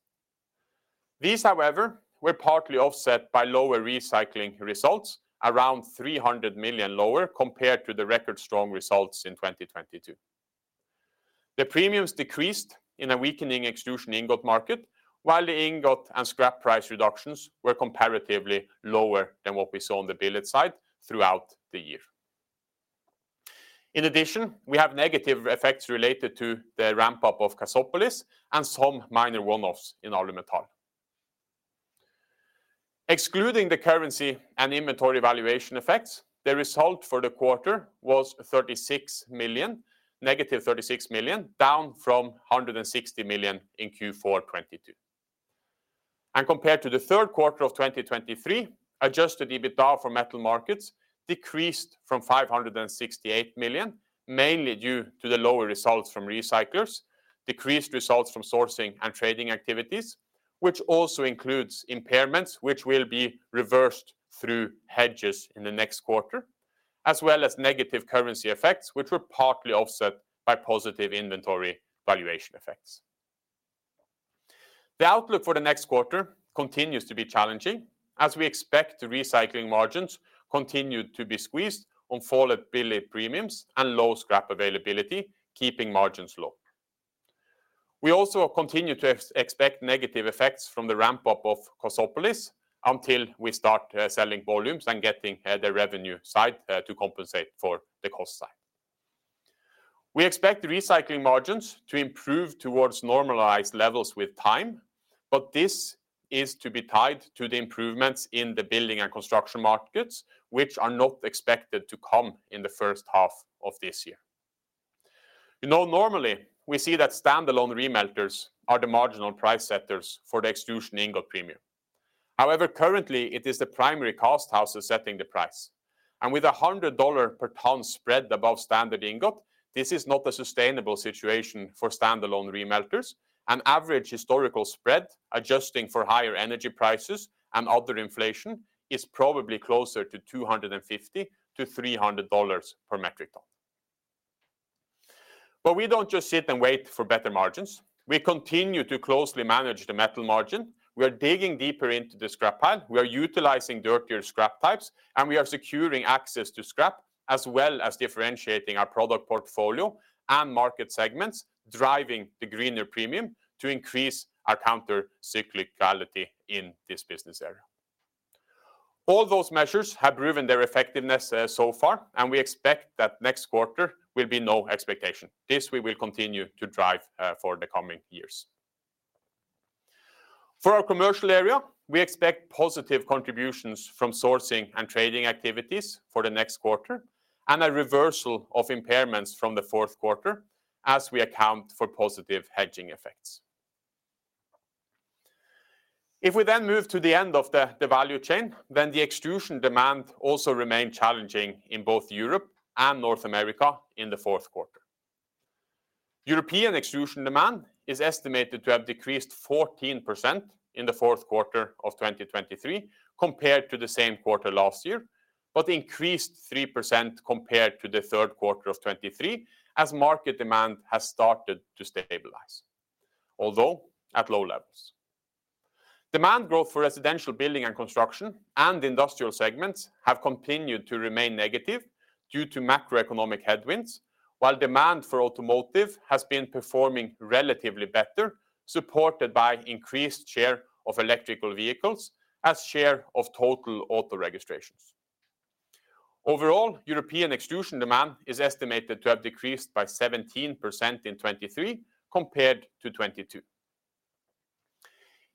These, however, were partly offset by lower recycling results, around $300 million lower compared to the record-strong results in 2022. The premiums decreased in a weakening extrusion ingot market, while the ingot and scrap price reductions were comparatively lower than what we saw on the billet side throughout the year. In addition, we have negative effects related to the ramp-up of Cassopolis and some minor one-offs in Alumetal. Excluding the currency and inventory valuation effects, the result for the quarter was 36 million, negative 36 million, down from 160 million in Q4 2022. Compared to the third quarter of 2023, Adjusted EBITDA for metal markets decreased from 568 million, mainly due to the lower results from recyclers, decreased results from sourcing and trading activities, which also includes impairments which will be reversed through hedges in the next quarter, as well as negative currency effects which were partly offset by positive inventory valuation effects. The outlook for the next quarter continues to be challenging as we expect the recycling margins continued to be squeezed on falling billet premiums and low scrap availability, keeping margins low. We also continue to expect negative effects from the ramp-up of Cassopolis until we start selling volumes and getting the revenue side to compensate for the cost side. We expect the recycling margins to improve towards normalized levels with time, but this is to be tied to the improvements in the building and construction markets, which are not expected to come in the first half of this year. You know, normally, we see that standalone remelters are the marginal price setters for the extrusion ingot premium. However, currently, it is the primary casthouses setting the price. With a $100 per ton spread above standard ingot, this is not a sustainable situation for standalone remelters, and average historical spread adjusting for higher energy prices and other inflation is probably closer to $250-$300 per metric ton. We don't just sit and wait for better margins. We continue to closely manage the metal margin. We are digging deeper into the scrap pile. We are utilizing dirtier scrap types, and we are securing access to scrap as well as differentiating our product portfolio and market segments, driving the greener premium to increase our countercyclicality in this business area. All those measures have proven their effectiveness so far, and we expect that next quarter will be no exception. This we will continue to drive for the coming years. For our commercial area, we expect positive contributions from sourcing and trading activities for the next quarter and a reversal of impairments from the fourth quarter as we account for positive hedging effects. If we then move to the end of the value chain, then the extrusion demand also remains challenging in both Europe and North America in the fourth quarter. European extrusion demand is estimated to have decreased 14% in the fourth quarter of 2023 compared to the same quarter last year, but increased 3% compared to the third quarter of 2023 as market demand has started to stabilize, although at low levels. Demand growth for residential building and construction and industrial segments have continued to remain negative due to macroeconomic headwinds, while demand for automotive has been performing relatively better, supported by increased share of electrical vehicles as share of total auto registrations. Overall, European extrusion demand is estimated to have decreased by 17% in 2023 compared to 2022.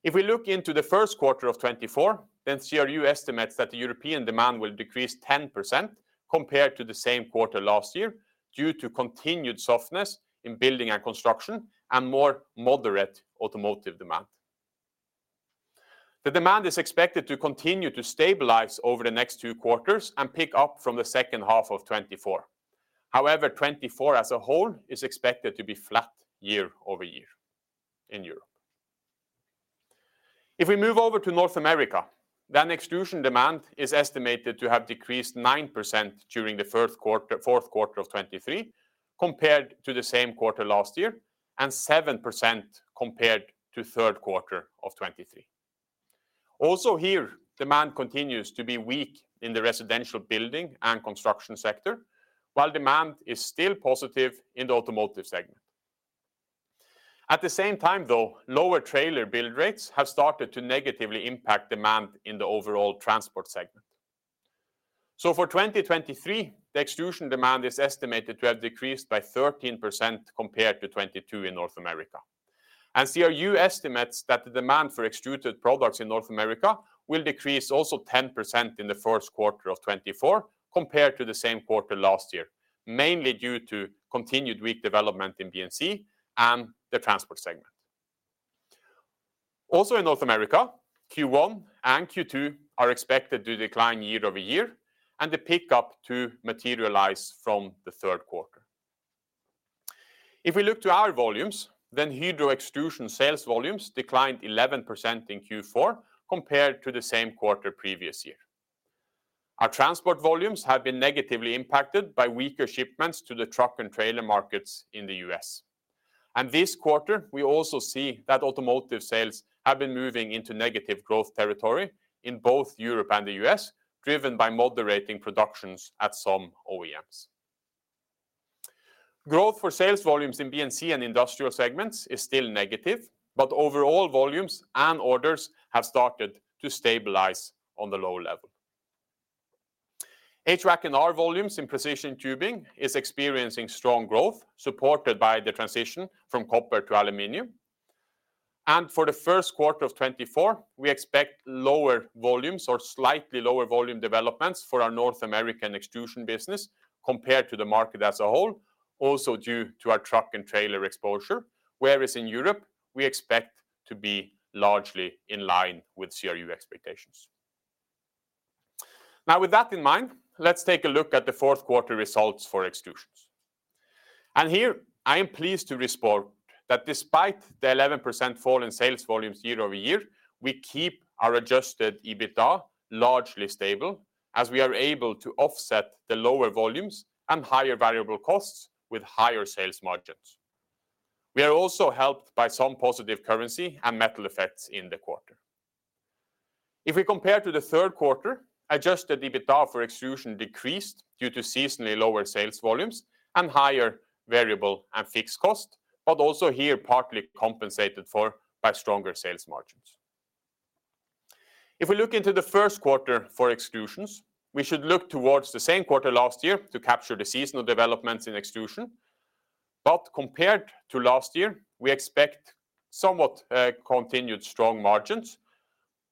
If we look into the first quarter of 2024, then CRU estimates that the European demand will decrease 10% compared to the same quarter last year due to continued softness in building and construction and more moderate automotive demand. The demand is expected to continue to stabilize over the next two quarters and pick up from the second half of 2024. However, 2024 as a whole is expected to be flat year-over-year in Europe. If we move over to North America, then extrusion demand is estimated to have decreased 9% during the fourth quarter of 2023 compared to the same quarter last year and 7% compared to third quarter of 2023. Also here, demand continues to be weak in the residential building and construction sector, while demand is still positive in the automotive segment. At the same time, though, lower trailer build rates have started to negatively impact demand in the overall transport segment. So for 2023, the extrusion demand is estimated to have decreased by 13% compared to 2022 in North America. And CRU estimates that the demand for extruded products in North America will decrease also 10% in the first quarter of 2024 compared to the same quarter last year, mainly due to continued weak development in BNC and the transport segment. Also in North America, Q1 and Q2 are expected to decline year-over-year, and the pickup to materialize from the third quarter. If we look to our volumes, then Hydro Extrusions sales volumes declined 11% in Q4 compared to the same quarter previous year. Our transport volumes have been negatively impacted by weaker shipments to the truck and trailer markets in the U.S. This quarter, we also see that automotive sales have been moving into negative growth territory in both Europe and the U.S., driven by moderating productions at some OEMs. Growth for sales volumes in BNC and industrial segments is still negative, but overall volumes and orders have started to stabilize on the low level. HVAC&R volumes in precision tubing are experiencing strong growth supported by the transition from copper to aluminum. For the first quarter of 2024, we expect lower volumes or slightly lower volume developments for our North American extrusion business compared to the market as a whole, also due to our truck and trailer exposure, whereas in Europe, we expect to be largely in line with CRU expectations. Now, with that in mind, let's take a look at the fourth quarter results for extrusions. Here, I am pleased to report that despite the 11% fall in sales volumes year-over-year, we keep our Adjusted EBITDA largely stable as we are able to offset the lower volumes and higher variable costs with higher sales margins. We are also helped by some positive currency and metal effects in the quarter. If we compare to the third quarter, Adjusted EBITDA for extrusion decreased due to seasonally lower sales volumes and higher variable and fixed costs, but also here partly compensated for by stronger sales margins. If we look into the first quarter for extrusions, we should look toward the same quarter last year to capture the seasonal developments in extrusion. But compared to last year, we expect somewhat continued strong margins,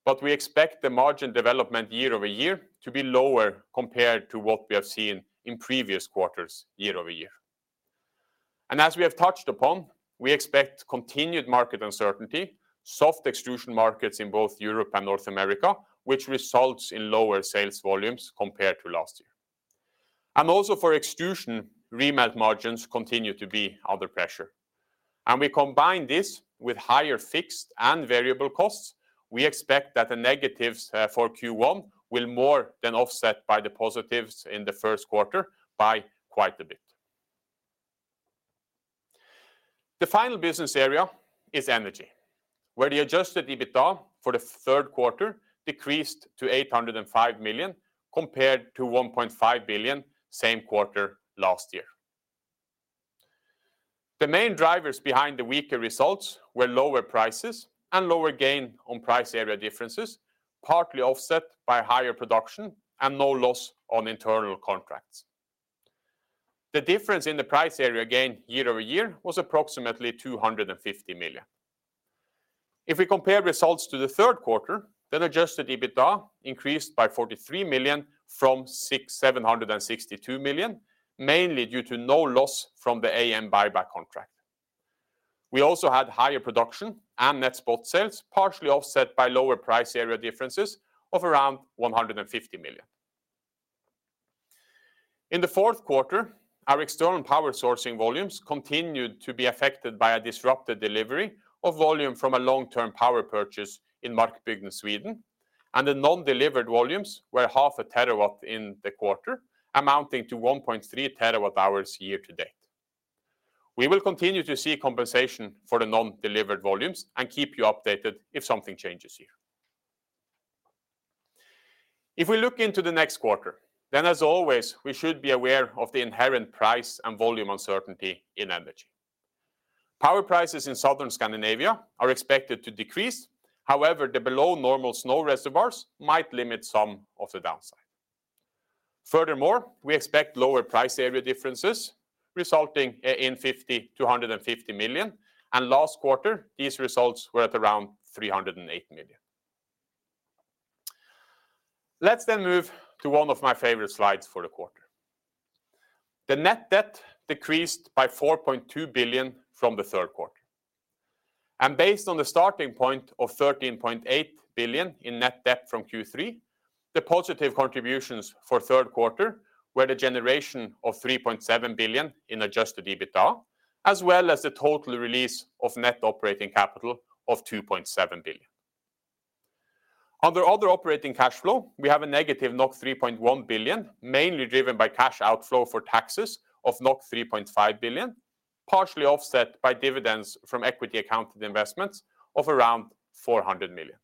but we expect the margin development year-over-year to be lower compared to what we have seen in previous quarters year-over-year. And as we have touched upon, we expect continued market uncertainty, soft extrusion markets in both Europe and North America, which results in lower sales volumes compared to last year. And also for extrusion, remelt margins continue to be under pressure. And we combine this with higher fixed and variable costs. We expect that the negatives for Q1 will more than offset by the positives in the first quarter by quite a bit. The final business area is energy, where the Adjusted EBITDA for the third quarter decreased to $805 million compared to $1.5 billion same quarter last year. The main drivers behind the weaker results were lower prices and lower gain on price area differences, partly offset by higher production and no loss on internal contracts. The difference in the price area gain year-over-year was approximately $250 million. If we compare results to the third quarter, then Adjusted EBITDA increased by $43 million from $762 million, mainly due to no loss from the AM buyback contract. We also had higher production and net spot sales partially offset by lower price area differences of around $150 million. In the fourth quarter, our external power sourcing volumes continued to be affected by a disrupted delivery of volume from a long-term power purchase in Markbygden, Sweden, and the non-delivered volumes were half a terawatt in the quarter, amounting to 1.3 terawatt-hours year to date. We will continue to see compensation for the non-delivered volumes and keep you updated if something changes here. If we look into the next quarter, then as always, we should be aware of the inherent price and volume uncertainty in energy. Power prices in southern Scandinavia are expected to decrease. However, the below-normal snow reservoirs might limit some of the downside. Furthermore, we expect lower price area differences resulting in $50 million-$150 million. Last quarter, these results were at around $308 million. Let's then move to one of my favorite slides for the quarter. The net debt decreased by $4.2 billion from the third quarter. Based on the starting point of $13.8 billion in net debt from Q3, the positive contributions for third quarter were the generation of $3.7 billion in Adjusted EBITDA, as well as the total release of net operating capital of $2.7 billion. Under other operating cash flow, we have a negative 3.1 billion, mainly driven by cash outflow for taxes of 3.5 billion, partially offset by dividends from equity-accounted investments of around 400 million.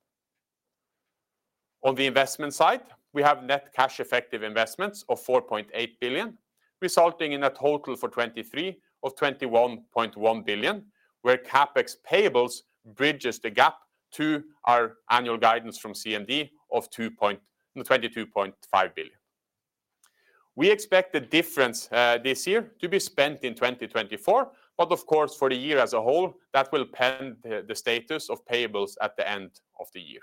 On the investment side, we have net cash-effective investments of 4.8 billion, resulting in a total for 2023 of 21.1 billion, where CapEx payables bridges the gap to our annual guidance from CMD of 22.5 billion. We expect the difference this year to be spent in 2024, but of course, for the year as a whole, that will pend the status of payables at the end of the year.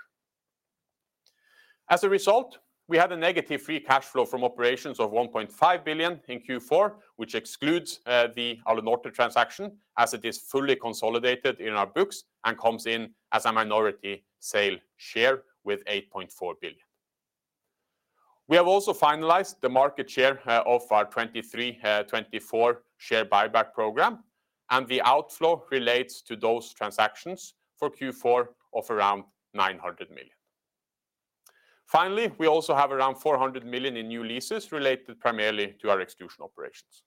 As a result, we had a negative free cash flow from operations of 1.5 billion in Q4, which excludes the Alunorte transaction as it is fully consolidated in our books and comes in as a minority sale share with 8.4 billion. We have also finalized the market share of our 2023-2024 share buyback program, and the outflow relates to those transactions for Q4 of around 900 million. Finally, we also have around 400 million in new leases related primarily to our extrusion operations.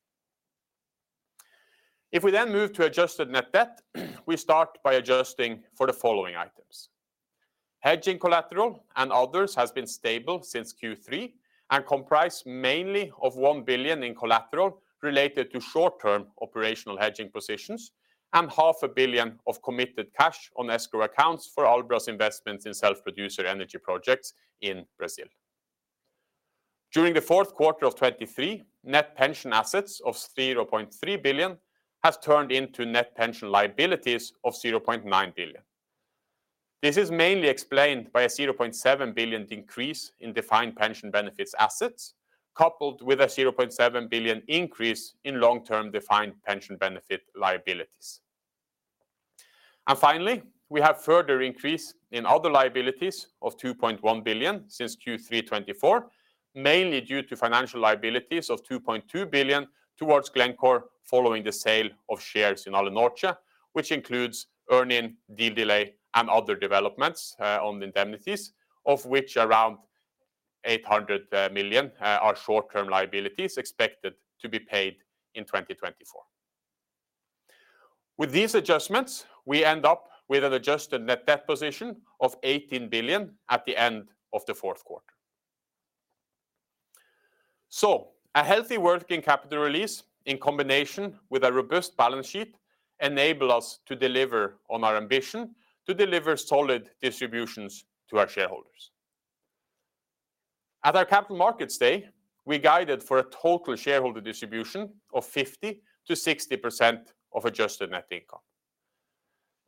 If we then move to adjusted net debt, we start by adjusting for the following items. Hedging collateral and others have been stable since Q3 and comprise mainly of 1 billion in collateral related to short-term operational hedging positions and 0.5 billion of committed cash on escrow accounts for Albras investments in self-producer energy projects in Brazil. During the fourth quarter of 2023, net pension assets of 0.3 billion have turned into net pension liabilities of 0.9 billion. This is mainly explained by a 0.7 billion increase in defined pension benefits assets coupled with a 0.7 billion increase in long-term defined pension benefit liabilities. Finally, we have further increase in other liabilities of 2.1 billion since Q3-2024, mainly due to financial liabilities of 2.2 billion towards Glencore following the sale of shares in Alunorte, which includes earnings, deal delay, and other developments on the indemnities, of which around 800 million are short-term liabilities expected to be paid in 2024. With these adjustments, we end up with an adjusted net debt position of 18 billion at the end of the fourth quarter. So a healthy working capital release in combination with a robust balance sheet enables us to deliver on our ambition to deliver solid distributions to our shareholders. At our Capital Markets Day, we guided for a total shareholder distribution of 50%-60% of adjusted net income.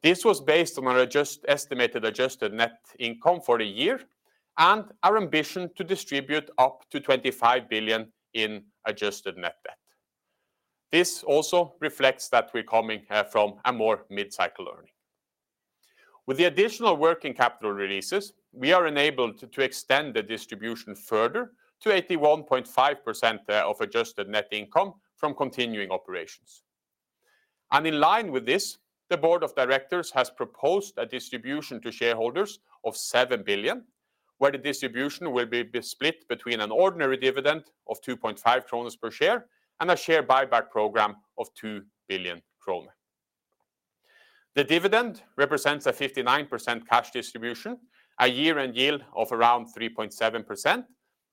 This was based on our estimated adjusted net income for a year and our ambition to distribute up to 25 billion in adjusted net debt. This also reflects that we're coming from a more mid-cycle earning. With the additional working capital releases, we are enabled to extend the distribution further to 81.5% of adjusted net income from continuing operations. In line with this, the board of directors has proposed a distribution to shareholders of 7 billion, where the distribution will be split between an ordinary dividend of 2.5 kroner per share and a share buyback program of 2 billion kroner. The dividend represents a 59% cash distribution, a year-end yield of around 3.7%,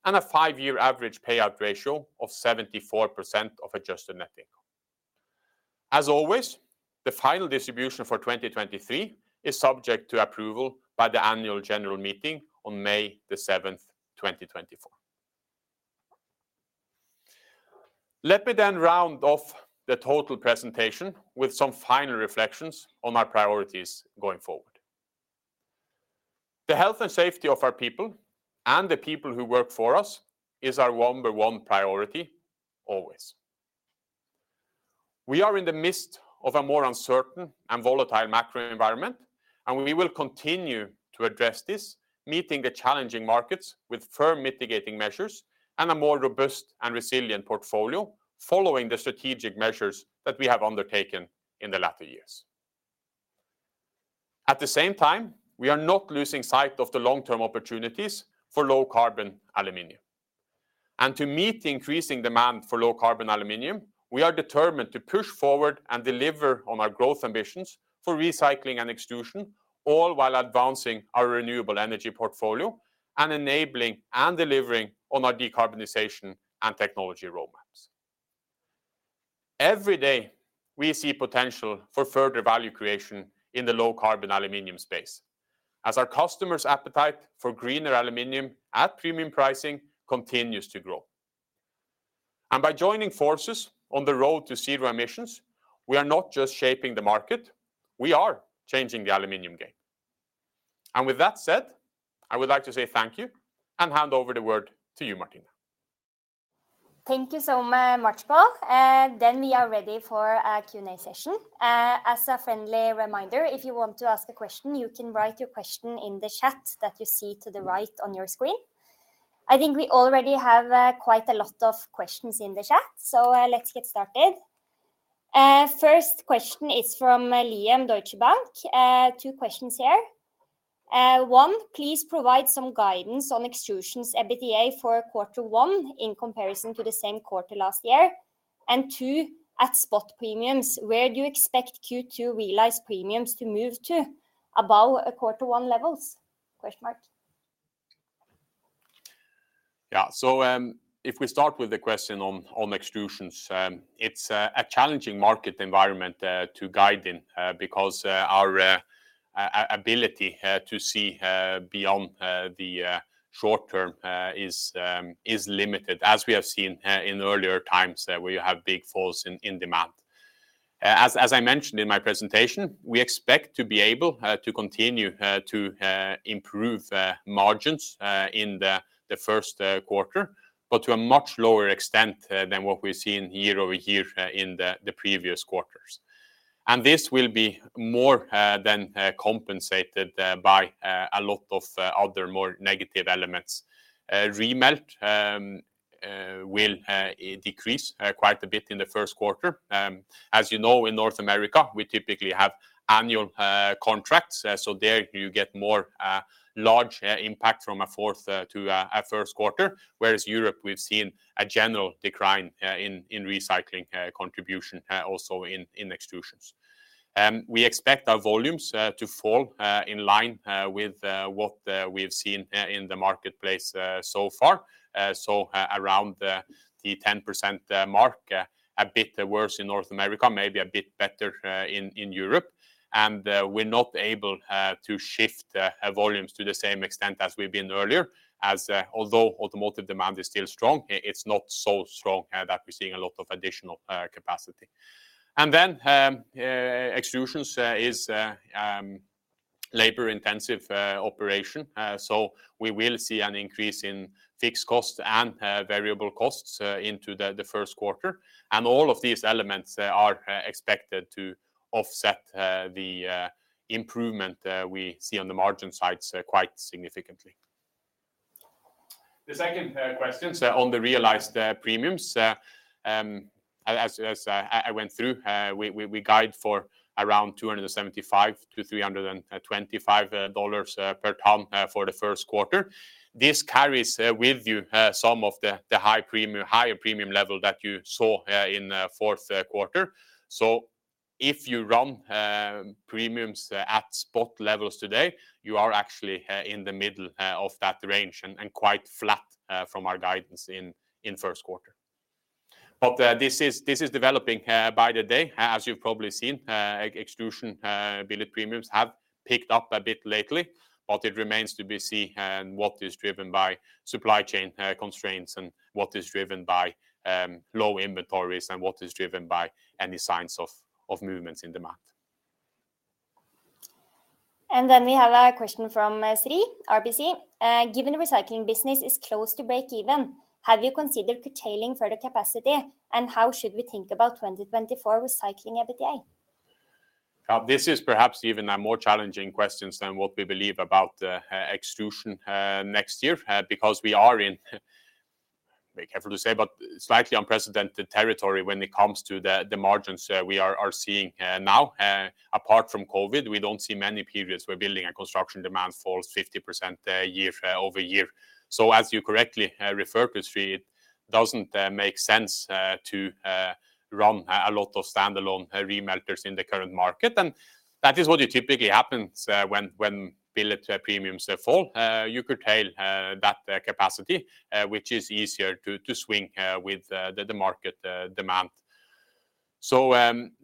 and a five-year average payout ratio of 74% of adjusted net income. As always, the final distribution for 2023 is subject to approval by the annual general meeting on May 7, 2024. Let me then round off the total presentation with some final reflections on our priorities going forward. The health and safety of our people and the people who work for us is our number one priority, always. We are in the midst of a more uncertain and volatile macro environment, and we will continue to address this, meeting the challenging markets with firm mitigating measures and a more robust and resilient portfolio following the strategic measures that we have undertaken in the latter years. At the same time, we are not losing sight of the long-term opportunities for low-carbon aluminium. To meet the increasing demand for low-carbon aluminium, we are determined to push forward and deliver on our growth ambitions for recycling and extrusion, all while advancing our renewable energy portfolio and enabling and delivering on our decarbonization and technology roadmaps. Every day, we see potential for further value creation in the low-carbon aluminium space as our customers' appetite for greener aluminium at premium pricing continues to grow. By joining forces on the road to zero emissions, we are not just shaping the market. We are changing the aluminium game. With that said, I would like to say thank you and hand over the word to you, Martine. Thank you so much, Pål. Then we are ready for a Q&A session. As a friendly reminder, if you want to ask a question, you can write your question in the chat that you see to the right on your screen. I think we already have quite a lot of questions in the chat, so let's get started. First question is from Liam, Deutsche Bank. Two questions here. One, please provide some guidance on extrusions EBITDA for quarter one in comparison to the same quarter last year. And two, at spot premiums, where do you expect Q2 realized premiums to move to above quarter one levels? Yeah, so if we start with the question on extrusions, it's a challenging market environment to guide in because our ability to see beyond the short term is limited, as we have seen in earlier times where you have big falls in demand. As I mentioned in my presentation, we expect to be able to continue to improve margins in the first quarter, but to a much lower extent than what we've seen year-over-year in the previous quarters. And this will be more than compensated by a lot of other more negative elements. Remelt will decrease quite a bit in the first quarter. As you know, in North America, we typically have annual contracts, so there you get more large impact from a fourth to a first quarter, whereas in Europe, we've seen a general decline in recycling contribution also in extrusions. We expect our volumes to fall in line with what we've seen in the marketplace so far, so around the 10% mark, a bit worse in North America, maybe a bit better in Europe. We're not able to shift volumes to the same extent as we've been earlier, although automotive demand is still strong. It's not so strong that we're seeing a lot of additional capacity. Then extrusions is a labor-intensive operation, so we will see an increase in fixed costs and variable costs into the first quarter. All of these elements are expected to offset the improvement we see on the margin sides quite significantly. The second question is on the realized premiums. As I went through, we guide for around $275-$325 per tonne for the first quarter. This carries with you some of the higher premium level that you saw in the fourth quarter. So if you run premiums at spot levels today, you are actually in the middle of that range and quite flat from our guidance in first quarter. But this is developing by the day. As you've probably seen, extrusion billet premiums have picked up a bit lately, but it remains to be seen what is driven by supply chain constraints and what is driven by low inventories and what is driven by any signs of movements in demand. And then we have a question from Siri, RBC. Given the recycling business is close to break-even, have you considered curtailing further capacity, and how should we think about 2024 recycling EBITDA? Yeah, this is perhaps even a more challenging question than what we believe about extrusion next year because we are in, be careful to say, but slightly unprecedented territory when it comes to the margins we are seeing now. Apart from COVID, we don't see many periods where building and construction demand falls 50% year-over-year. So as you correctly referred to, Siri, it doesn't make sense to run a lot of standalone remelters in the current market. And that is what typically happens when billet premiums fall. You curtail that capacity, which is easier to swing with the market demand. So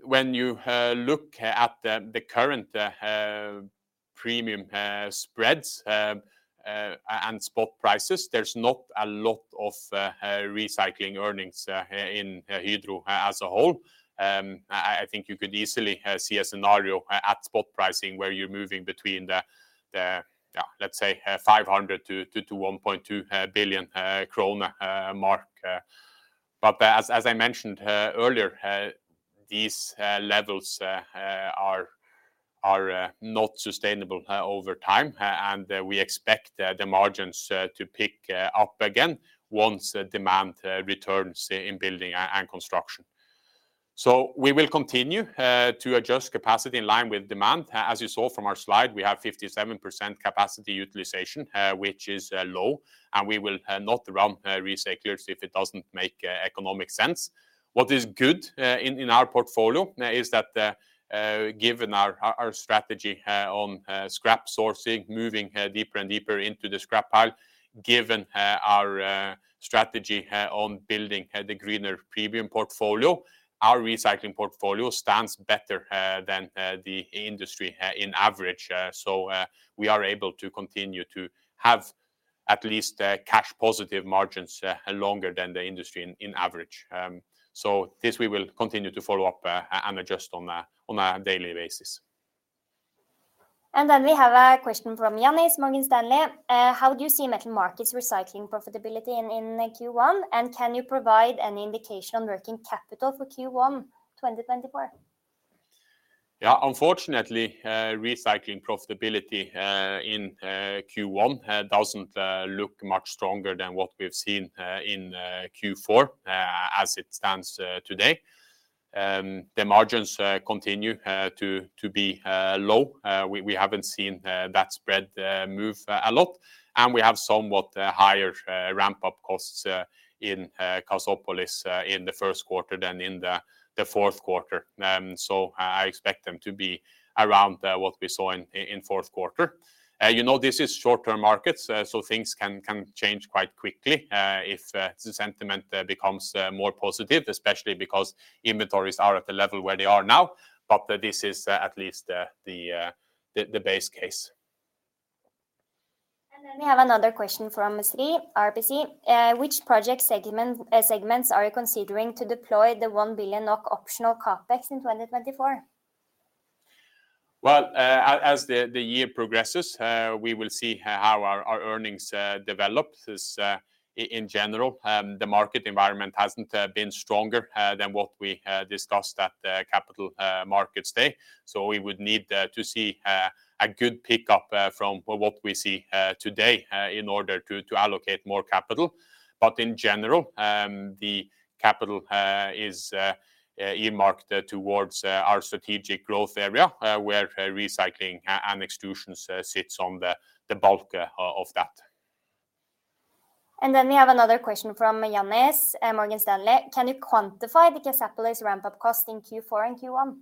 when you look at the current premium spreads and spot prices, there's not a lot of recycling earnings in Hydro as a whole. I think you could easily see a scenario at spot pricing where you're moving between the, yeah, let's say, 500 million-1.2 billion kroner mark. But as I mentioned earlier, these levels are not sustainable over time, and we expect the margins to pick up again once demand returns in building and construction. So we will continue to adjust capacity in line with demand. As you saw from our slide, we have 57% capacity utilization, which is low, and we will not run recyclers if it doesn't make economic sense. What is good in our portfolio is that, given our strategy on scrap sourcing, moving deeper and deeper into the scrap pile, given our strategy on building the greener premium portfolio, our recycling portfolio stands better than the industry on average. So we are able to continue to have at least cash-positive margins longer than the industry on average. So this we will continue to follow up and adjust on a daily basis. Then we have a question from Ioannis Morgan Stanley. How do you see metal markets recycling profitability in Q1, and can you provide any indication on working capital for Q1 2024? Yeah, unfortunately, recycling profitability in Q1 doesn't look much stronger than what we've seen in Q4 as it stands today. The margins continue to be low. We haven't seen that spread move a lot, and we have somewhat higher ramp-up costs in Cassopolis in the first quarter than in the fourth quarter. So I expect them to be around what we saw in fourth quarter. You know, this is short-term markets, so things can change quite quickly if the sentiment becomes more positive, especially because inventories are at the level where they are now. But this is at least the base case. And then we have another question from Siri, RBC. Which project segments are you considering to deploy the 1 billion NOK optional CapEx in 2024? Well, as the year progresses, we will see how our earnings develop in general. The market environment hasn't been stronger than what we discussed at Capital Markets Day. So we would need to see a good pickup from what we see today in order to allocate more capital. But in general, the capital is earmarked towards our strategic growth area, where recycling and extrusions sit on the bulk of that. Then we have another question from Ioannis Morgan Stanley. Can you quantify the Cassopolis ramp-up cost in Q4 and Q1?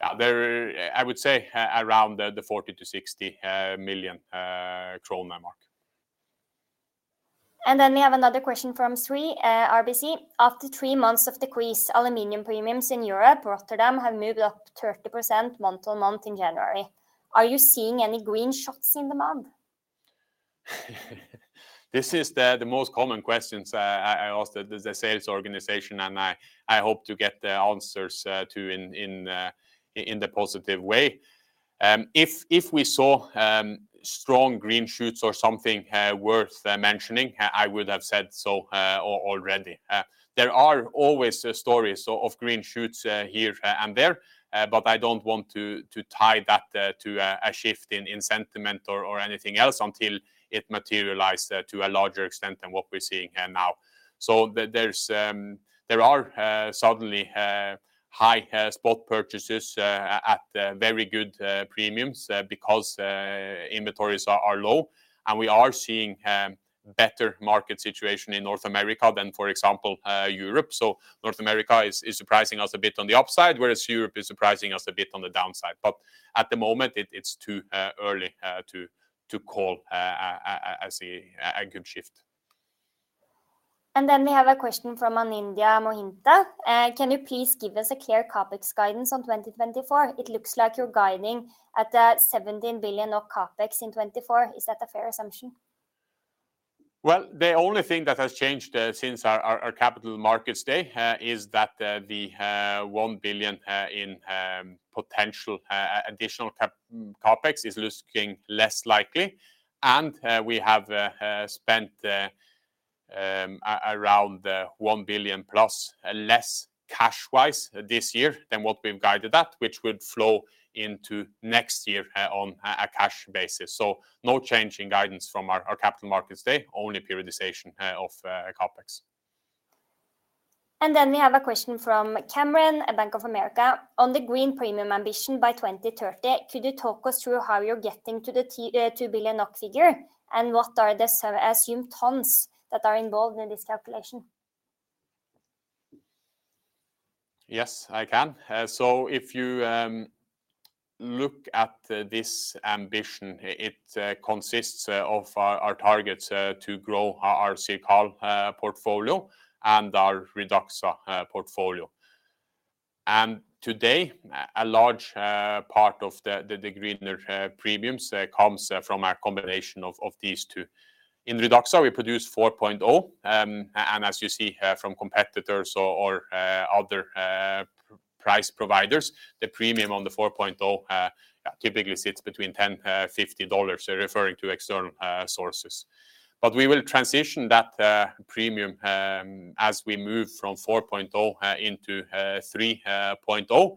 Yeah, I would say around the 40 million-60 million kroner mark. Then we have another question from Siri, RBC. After three months of decrease, aluminum premiums in Europe, Rotterdam, have moved up 30% month-on-month in January. Are you seeing any green shoots in demand? This is the most common question I ask the sales organization, and I hope to get the answers to in the a positive way. If we saw strong green shoots or something worth mentioning, I would have said so already. There are always stories of green shoots here and there, but I don't want to tie that to a shift in sentiment or anything else until it materializes to a larger extent than what we're seeing now. So there are suddenly high spot purchases at very good premiums because inventories are low, and we are seeing a better market situation in North America than, for example, Europe. So North America is surprising us a bit on the upside, whereas Europe is surprising us a bit on the downside. But at the moment, it's too early to call a good shift. We have a question from Anindya Mohinta. Can you please give us a clear CAPEX guidance on 2024? It looks like you're guiding at 17 billion CAPEX in 2024. Is that a fair assumption? Well, the only thing that has changed since our Capital Markets Day is that the 1 billion in potential additional CapEx is looking less likely. We have spent around 1 billion plus less cash-wise this year than what we've guided at, which would flow into next year on a cash basis. No change in guidance from our Capital Markets Day, only periodization of CapEx. And then we have a question from Cameron, Bank of America. On the green premium ambition by 2030, could you talk us through how you're getting to the 2 billion NOK figure, and what are the assumed tons that are involved in this calculation? Yes, I can. So if you look at this ambition, it consists of our targets to grow our CIRCAL portfolio and our REDUXA portfolio. And today, a large part of the greener premiums comes from a combination of these two. In REDUXA, we produce 4.0. And as you see from competitors or other price providers, the premium on the 4.0 typically sits between $10-$50, referring to external sources. But we will transition that premium as we move from 4.0 into 3.0,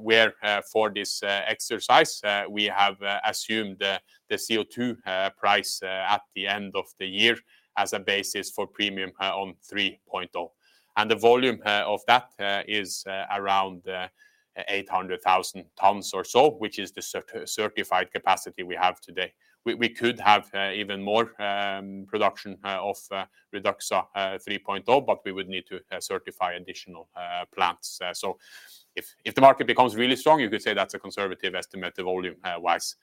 where for this exercise, we have assumed the CO2 price at the end of the year as a basis for premium on 3.0. And the volume of that is around 800,000 tons or so, which is the certified capacity we have today. We could have even more production of REDUXA 3.0, but we would need to certify additional plants. So if the market becomes really strong, you could say that's a conservative estimate volume-wise.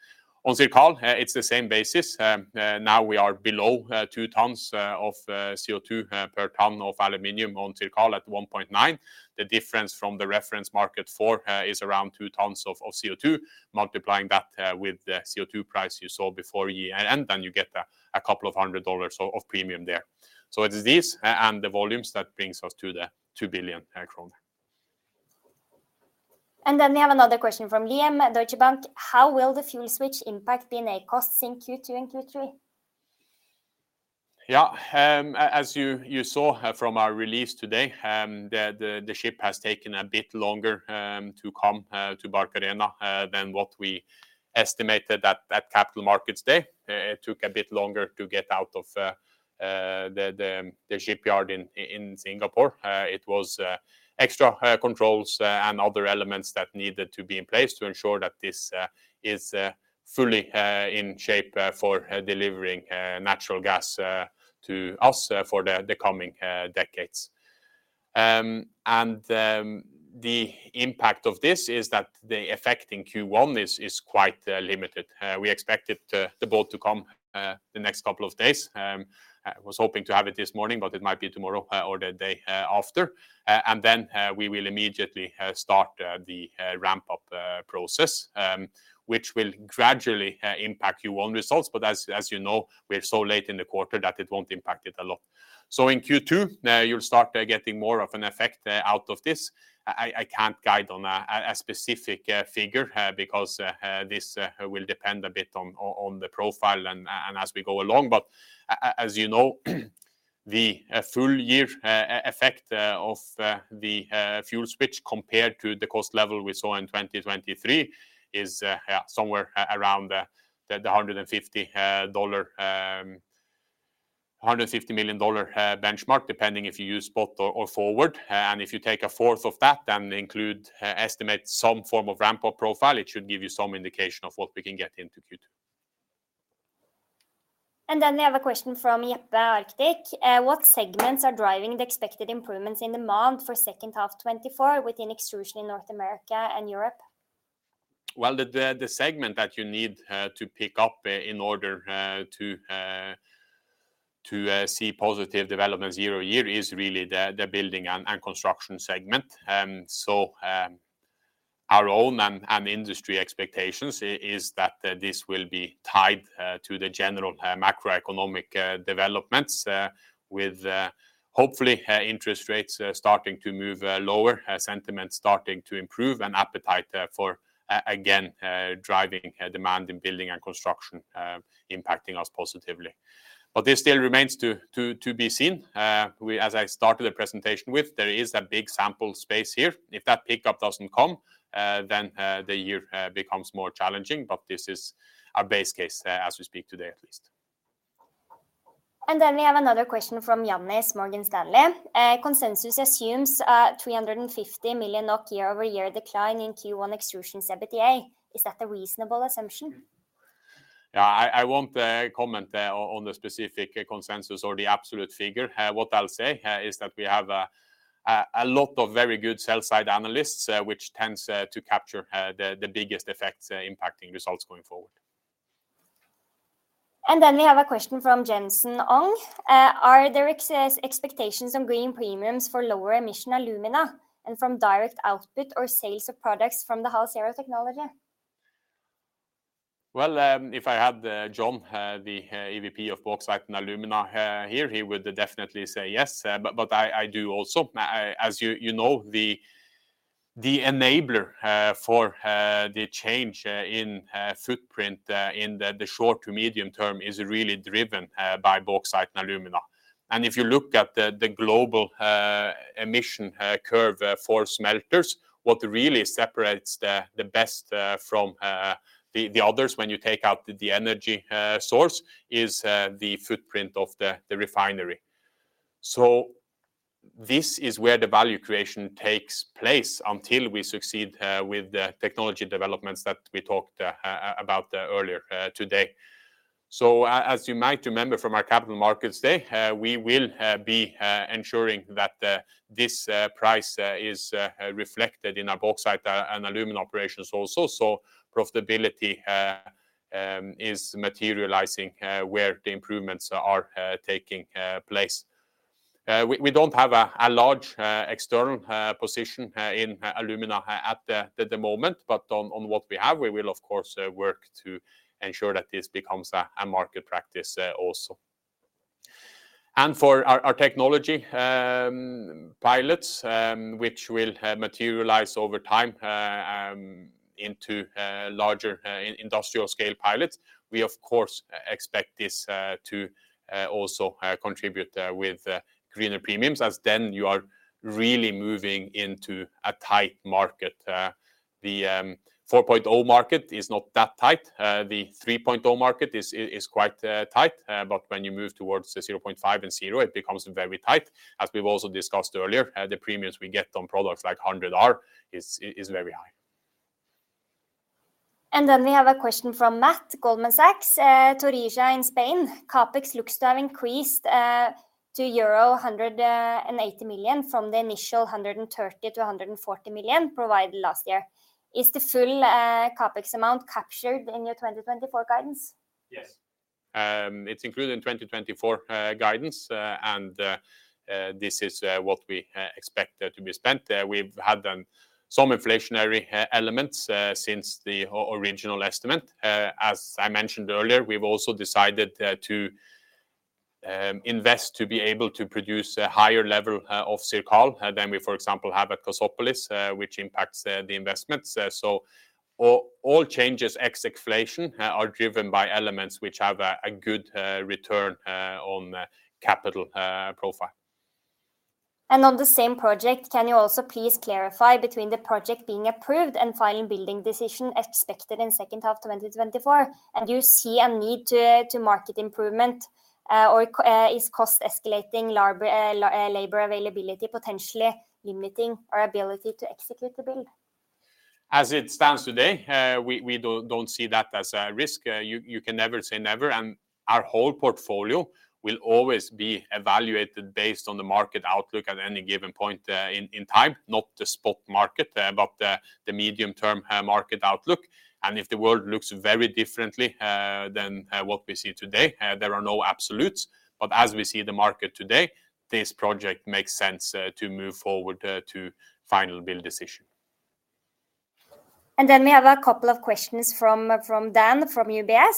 On CIRCAL, it's the same basis. Now we are below 2 tons of CO2 per ton of aluminum on CIRCAL at 1.9. The difference from the reference market for is around 2 tons of CO2. Multiplying that with the CO2 price you saw before the year, and then you get a couple of hundred dollars of premium there. So it's these and the volumes that brings us to the 2 billion kroner. And then we have another question from Liam of Deutsche Bank. How will the fuel switch impact B&A costs in Q2 and Q3? Yeah, as you saw from our release today, the ship has taken a bit longer to come to Barcarena than what we estimated at Capital Markets Day. It took a bit longer to get out of the shipyard in Singapore. It was extra controls and other elements that needed to be in place to ensure that this is fully in shape for delivering natural gas to us for the coming decades. The impact of this is that the effect in Q1 is quite limited. We expected the boat to come the next couple of days. I was hoping to have it this morning, but it might be tomorrow or the day after. Then we will immediately start the ramp-up process, which will gradually impact Q1 results. But as you know, we're so late in the quarter that it won't impact it a lot. In Q2, you'll start getting more of an effect out of this. I can't guide on a specific figure because this will depend a bit on the profile and as we go along. But as you know, the full-year effect of the fuel switch compared to the cost level we saw in 2023 is somewhere around the $150 million benchmark, depending if you use spot or forward. If you take a fourth of that and estimate some form of ramp-up profile, it should give you some indication of what we can get into Q2. Then we have a question from Jeppe, Arctic. What segments are driving the expected improvements in demand for second half 2024 within extrusion in North America and Europe? Well, the segment that you need to pick up in order to see positive developments year-over-year is really the building and construction segment. Our own and industry expectations are that this will be tied to the general macroeconomic developments with hopefully interest rates starting to move lower, sentiment starting to improve, and appetite for, again, driving demand in building and construction, impacting us positively. But this still remains to be seen. As I started the presentation with, there is a big sample space here. If that pickup doesn't come, then the year becomes more challenging. But this is our base case as we speak today, at least. Then we have another question from Ioannis Morgan Stanley. Consensus assumes a 350 million NOK year-over-year decline in Q1 extrusion EBITDA. Is that a reasonable assumption? Yeah, I won't comment on the specific consensus or the absolute figure. What I'll say is that we have a lot of very good sell-side analysts, which tends to capture the biggest effects impacting results going forward. We have a question from Jenson Ong. Are there expectations on green premiums for lower emission alumina and from direct output or sales of products from the HalZero technology? Well, if I had John, the EVP of Bauxite and Alumina here, he would definitely say yes. But I do also, as you know, the enabler for the change in footprint in the short to medium term is really driven by Bauxite and Alumina. And if you look at the global emission curve for smelters, what really separates the best from the others when you take out the energy source is the footprint of the refinery. So this is where the value creation takes place until we succeed with the technology developments that we talked about earlier today. So as you might remember from our Capital Markets Day, we will be ensuring that this price is reflected in our Bauxite and Alumina operations also. So profitability is materializing where the improvements are taking place. We don't have a large external position in alumina at the moment, but on what we have, we will, of course, work to ensure that this becomes a market practice also. For our technology pilots, which will materialize over time into larger industrial-scale pilots, we, of course, expect this to also contribute with greener premiums, as then you are really moving into a tight market. The 4.0 market is not that tight. The 3.0 market is quite tight. But when you move towards 0.5 and zero, it becomes very tight. As we've also discussed earlier, the premiums we get on products like 100R are very high. Then we have a question from Matt, Goldman Sachs, Torija in Spain. CapEx looks to have increased to euro 180 million from the initial 130 million-140 million provided last year. Is the full CapEx amount captured in your 2024 guidance? Yes. It's included in 2024 guidance, and this is what we expect to be spent. We've had some inflationary elements since the original estimate. As I mentioned earlier, we've also decided to invest to be able to produce a higher level of CIRCAL than we, for example, have at Cassopolis, which impacts the investments. So all changes ex inflation are driven by elements which have a good return on capital profile. On the same project, can you also please clarify between the project being approved and final building decision expected in second half 2024? And do you see a need to market improvement, or is cost escalating labor availability potentially limiting our ability to execute the build? As it stands today, we don't see that as a risk. You can never say never. Our whole portfolio will always be evaluated based on the market outlook at any given point in time, not the spot market, but the medium-term market outlook. If the world looks very differently than what we see today, there are no absolutes. As we see the market today, this project makes sense to move forward to final build decision. Then we have a couple of questions from Dan from UBS.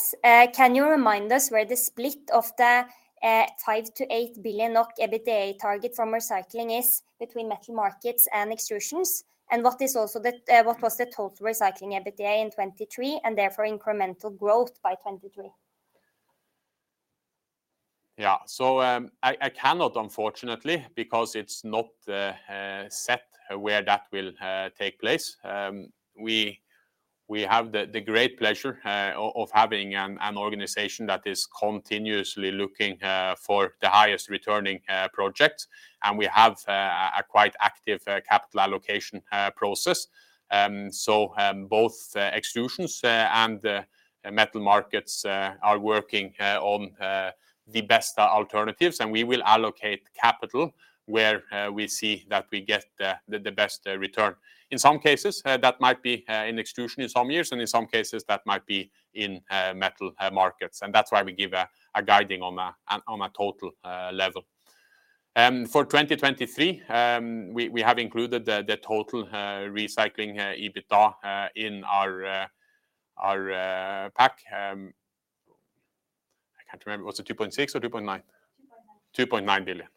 Can you remind us where the split of the 5 billion-8 billion NOK EBITDA target from recycling is between metal markets and extrusions? And what was the total recycling EBITDA in 2023 and therefore incremental growth by 2023? Yeah, so I cannot, unfortunately, because it's not set where that will take place. We have the great pleasure of having an organization that is continuously looking for the highest returning projects, and we have a quite active capital allocation process. So both Extrusions and Metal Markets are working on the best alternatives, and we will allocate capital where we see that we get the best return. In some cases, that might be in extrusion in some years, and in some cases, that might be in metal markets. And that's why we give a guidance on a total level. For 2023, we have included the total recycling EBITDA in our pack. I can't remember. Was it 2.6 or 2.9? 2.9 billion.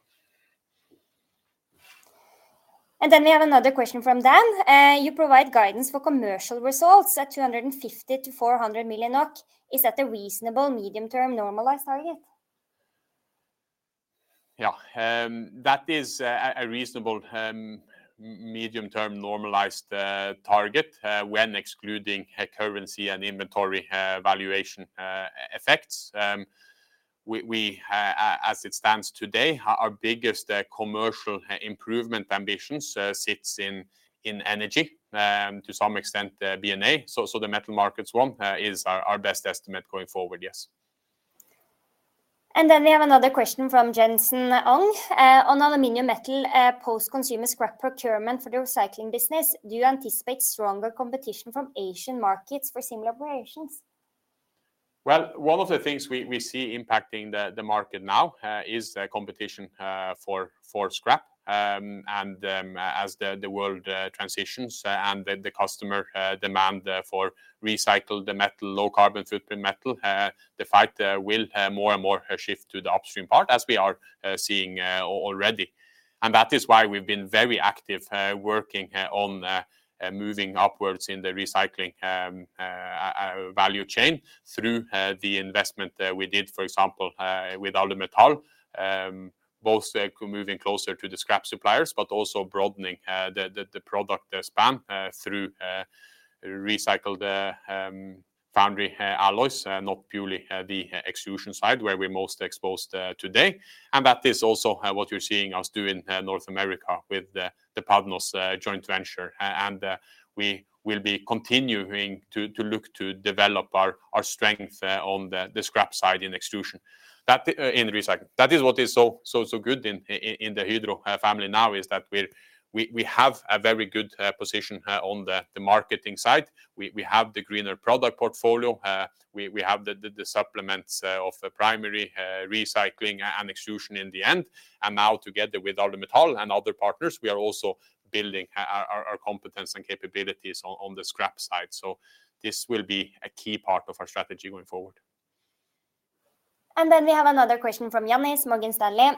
Then we have another question from Dan. You provide guidance for commercial results at 250 million-400 million NOK. Is that a reasonable medium-term normalized target? Yeah, that is a reasonable medium-term normalized target when excluding currency and inventory valuation effects. As it stands today, our biggest commercial improvement ambitions sit in energy, to some extent B&A. So the metal markets one is our best estimate going forward. Yes. Then we have another question from Jenson Ong. On aluminum metal post-consumer scrap procurement for the recycling business, do you anticipate stronger competition from Asian markets for similar operations? Well, one of the things we see impacting the market now is competition for scrap. And as the world transitions and the customer demand for recycled metal, low-carbon footprint metal, the fight will more and more shift to the upstream part as we are seeing already. And that is why we've been very active working on moving upwards in the recycling value chain through the investment we did, for example, with Alumetal, both moving closer to the scrap suppliers, but also broadening the product span through recycled foundry alloys, not purely the extrusion side where we're most exposed today. And that is also what you're seeing us do in North America with the Padnos joint venture. And we will be continuing to look to develop our strength on the scrap side in extrusion in recycling. That is what is so good in the Hydro family now is that we have a very good position on the marketing side. We have the greener product portfolio. We have the supplements of primary recycling and extrusion in the end. And now, together with Alumetal and other partners, we are also building our competence and capabilities on the scrap side. So this will be a key part of our strategy going forward. Then we have another question from Ioannis Morgan Stanley.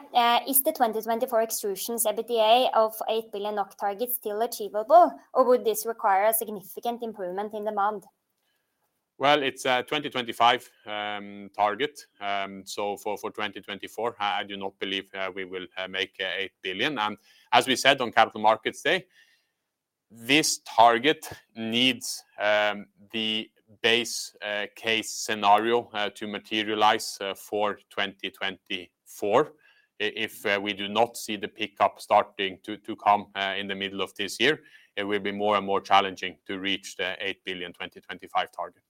Is the 2024 Extrusions EBITDA of 8 billion NOK target still achievable, or would this require a significant improvement in demand? Well, it's a 2025 target. So for 2024, I do not believe we will make 8 billion. And as we said on Capital Markets Day, this target needs the base case scenario to materialize for 2024. If we do not see the pickup starting to come in the middle of this year, it will be more and more challenging to reach the 8 billion 2025 target.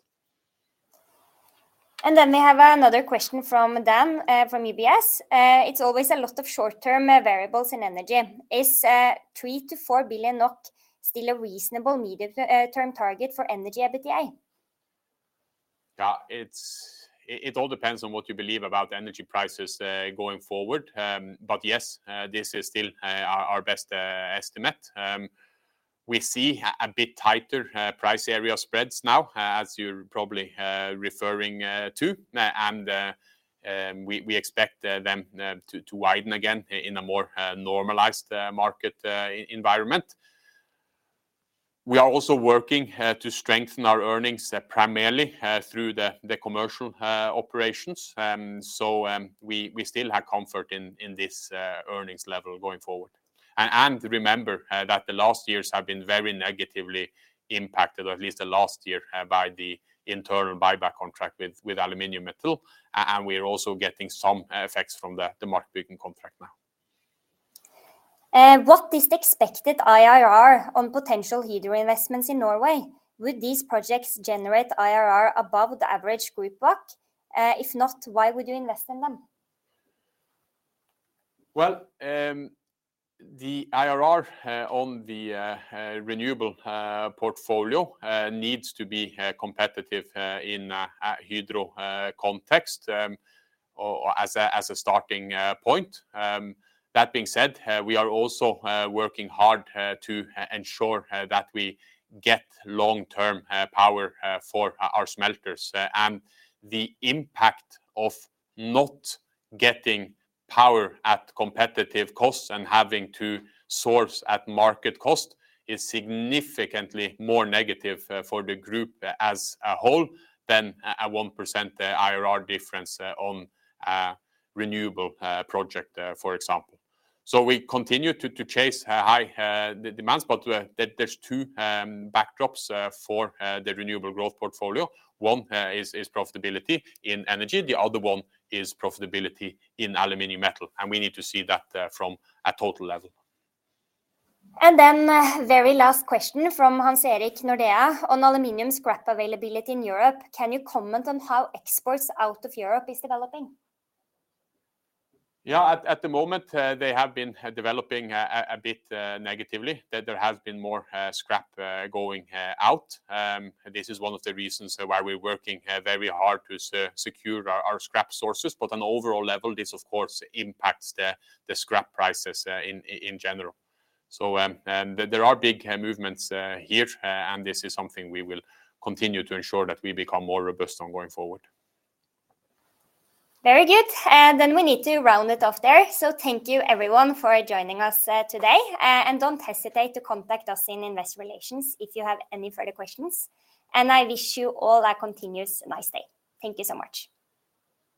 And then we have another question from Dan from UBS. It's always a lot of short-term variables in energy. Is 3 billion-4 billion NOK still a reasonable medium-term target for energy EBITDA? Yeah, it all depends on what you believe about energy prices going forward. But yes, this is still our best estimate. We see a bit tighter price area spreads now, as you're probably referring to, and we expect them to widen again in a more normalized market environment. We are also working to strengthen our earnings primarily through the commercial operations. So we still have comfort in this earnings level going forward. And remember that the last years have been very negatively impacted, or at least the last year, by the internal buyback contract with Aluminium Metal. And we're also getting some effects from the Markbygden contract now. What is the expected IRR on potential Hydro investments in Norway? Would these projects generate IRR above the average group WACC? If not, why would you invest in them? Well, the IRR on the renewable portfolio needs to be competitive in a hydro context as a starting point. That being said, we are also working hard to ensure that we get long-term power for our smelters. The impact of not getting power at competitive costs and having to source at market cost is significantly more negative for the group as a whole than a 1% IRR difference on renewable projects, for example. So we continue to chase high demands, but there's two backdrops for the renewable growth portfolio. One is profitability in energy. The other one is profitability in aluminum metal. We need to see that from a total level. Then very last question from Hans Erik, Nordea. On aluminum scrap availability in Europe, can you comment on how exports out of Europe is developing? Yeah, at the moment, they have been developing a bit negatively. There has been more scrap going out. This is one of the reasons why we're working very hard to secure our scrap sources. But on an overall level, this, of course, impacts the scrap prices in general. So there are big movements here, and this is something we will continue to ensure that we become more robust on going forward. Very good. Then we need to round it off there. So thank you, everyone, for joining us today. And don't hesitate to contact us in investor relations if you have any further questions. And I wish you all a continuous nice day. Thank you so much.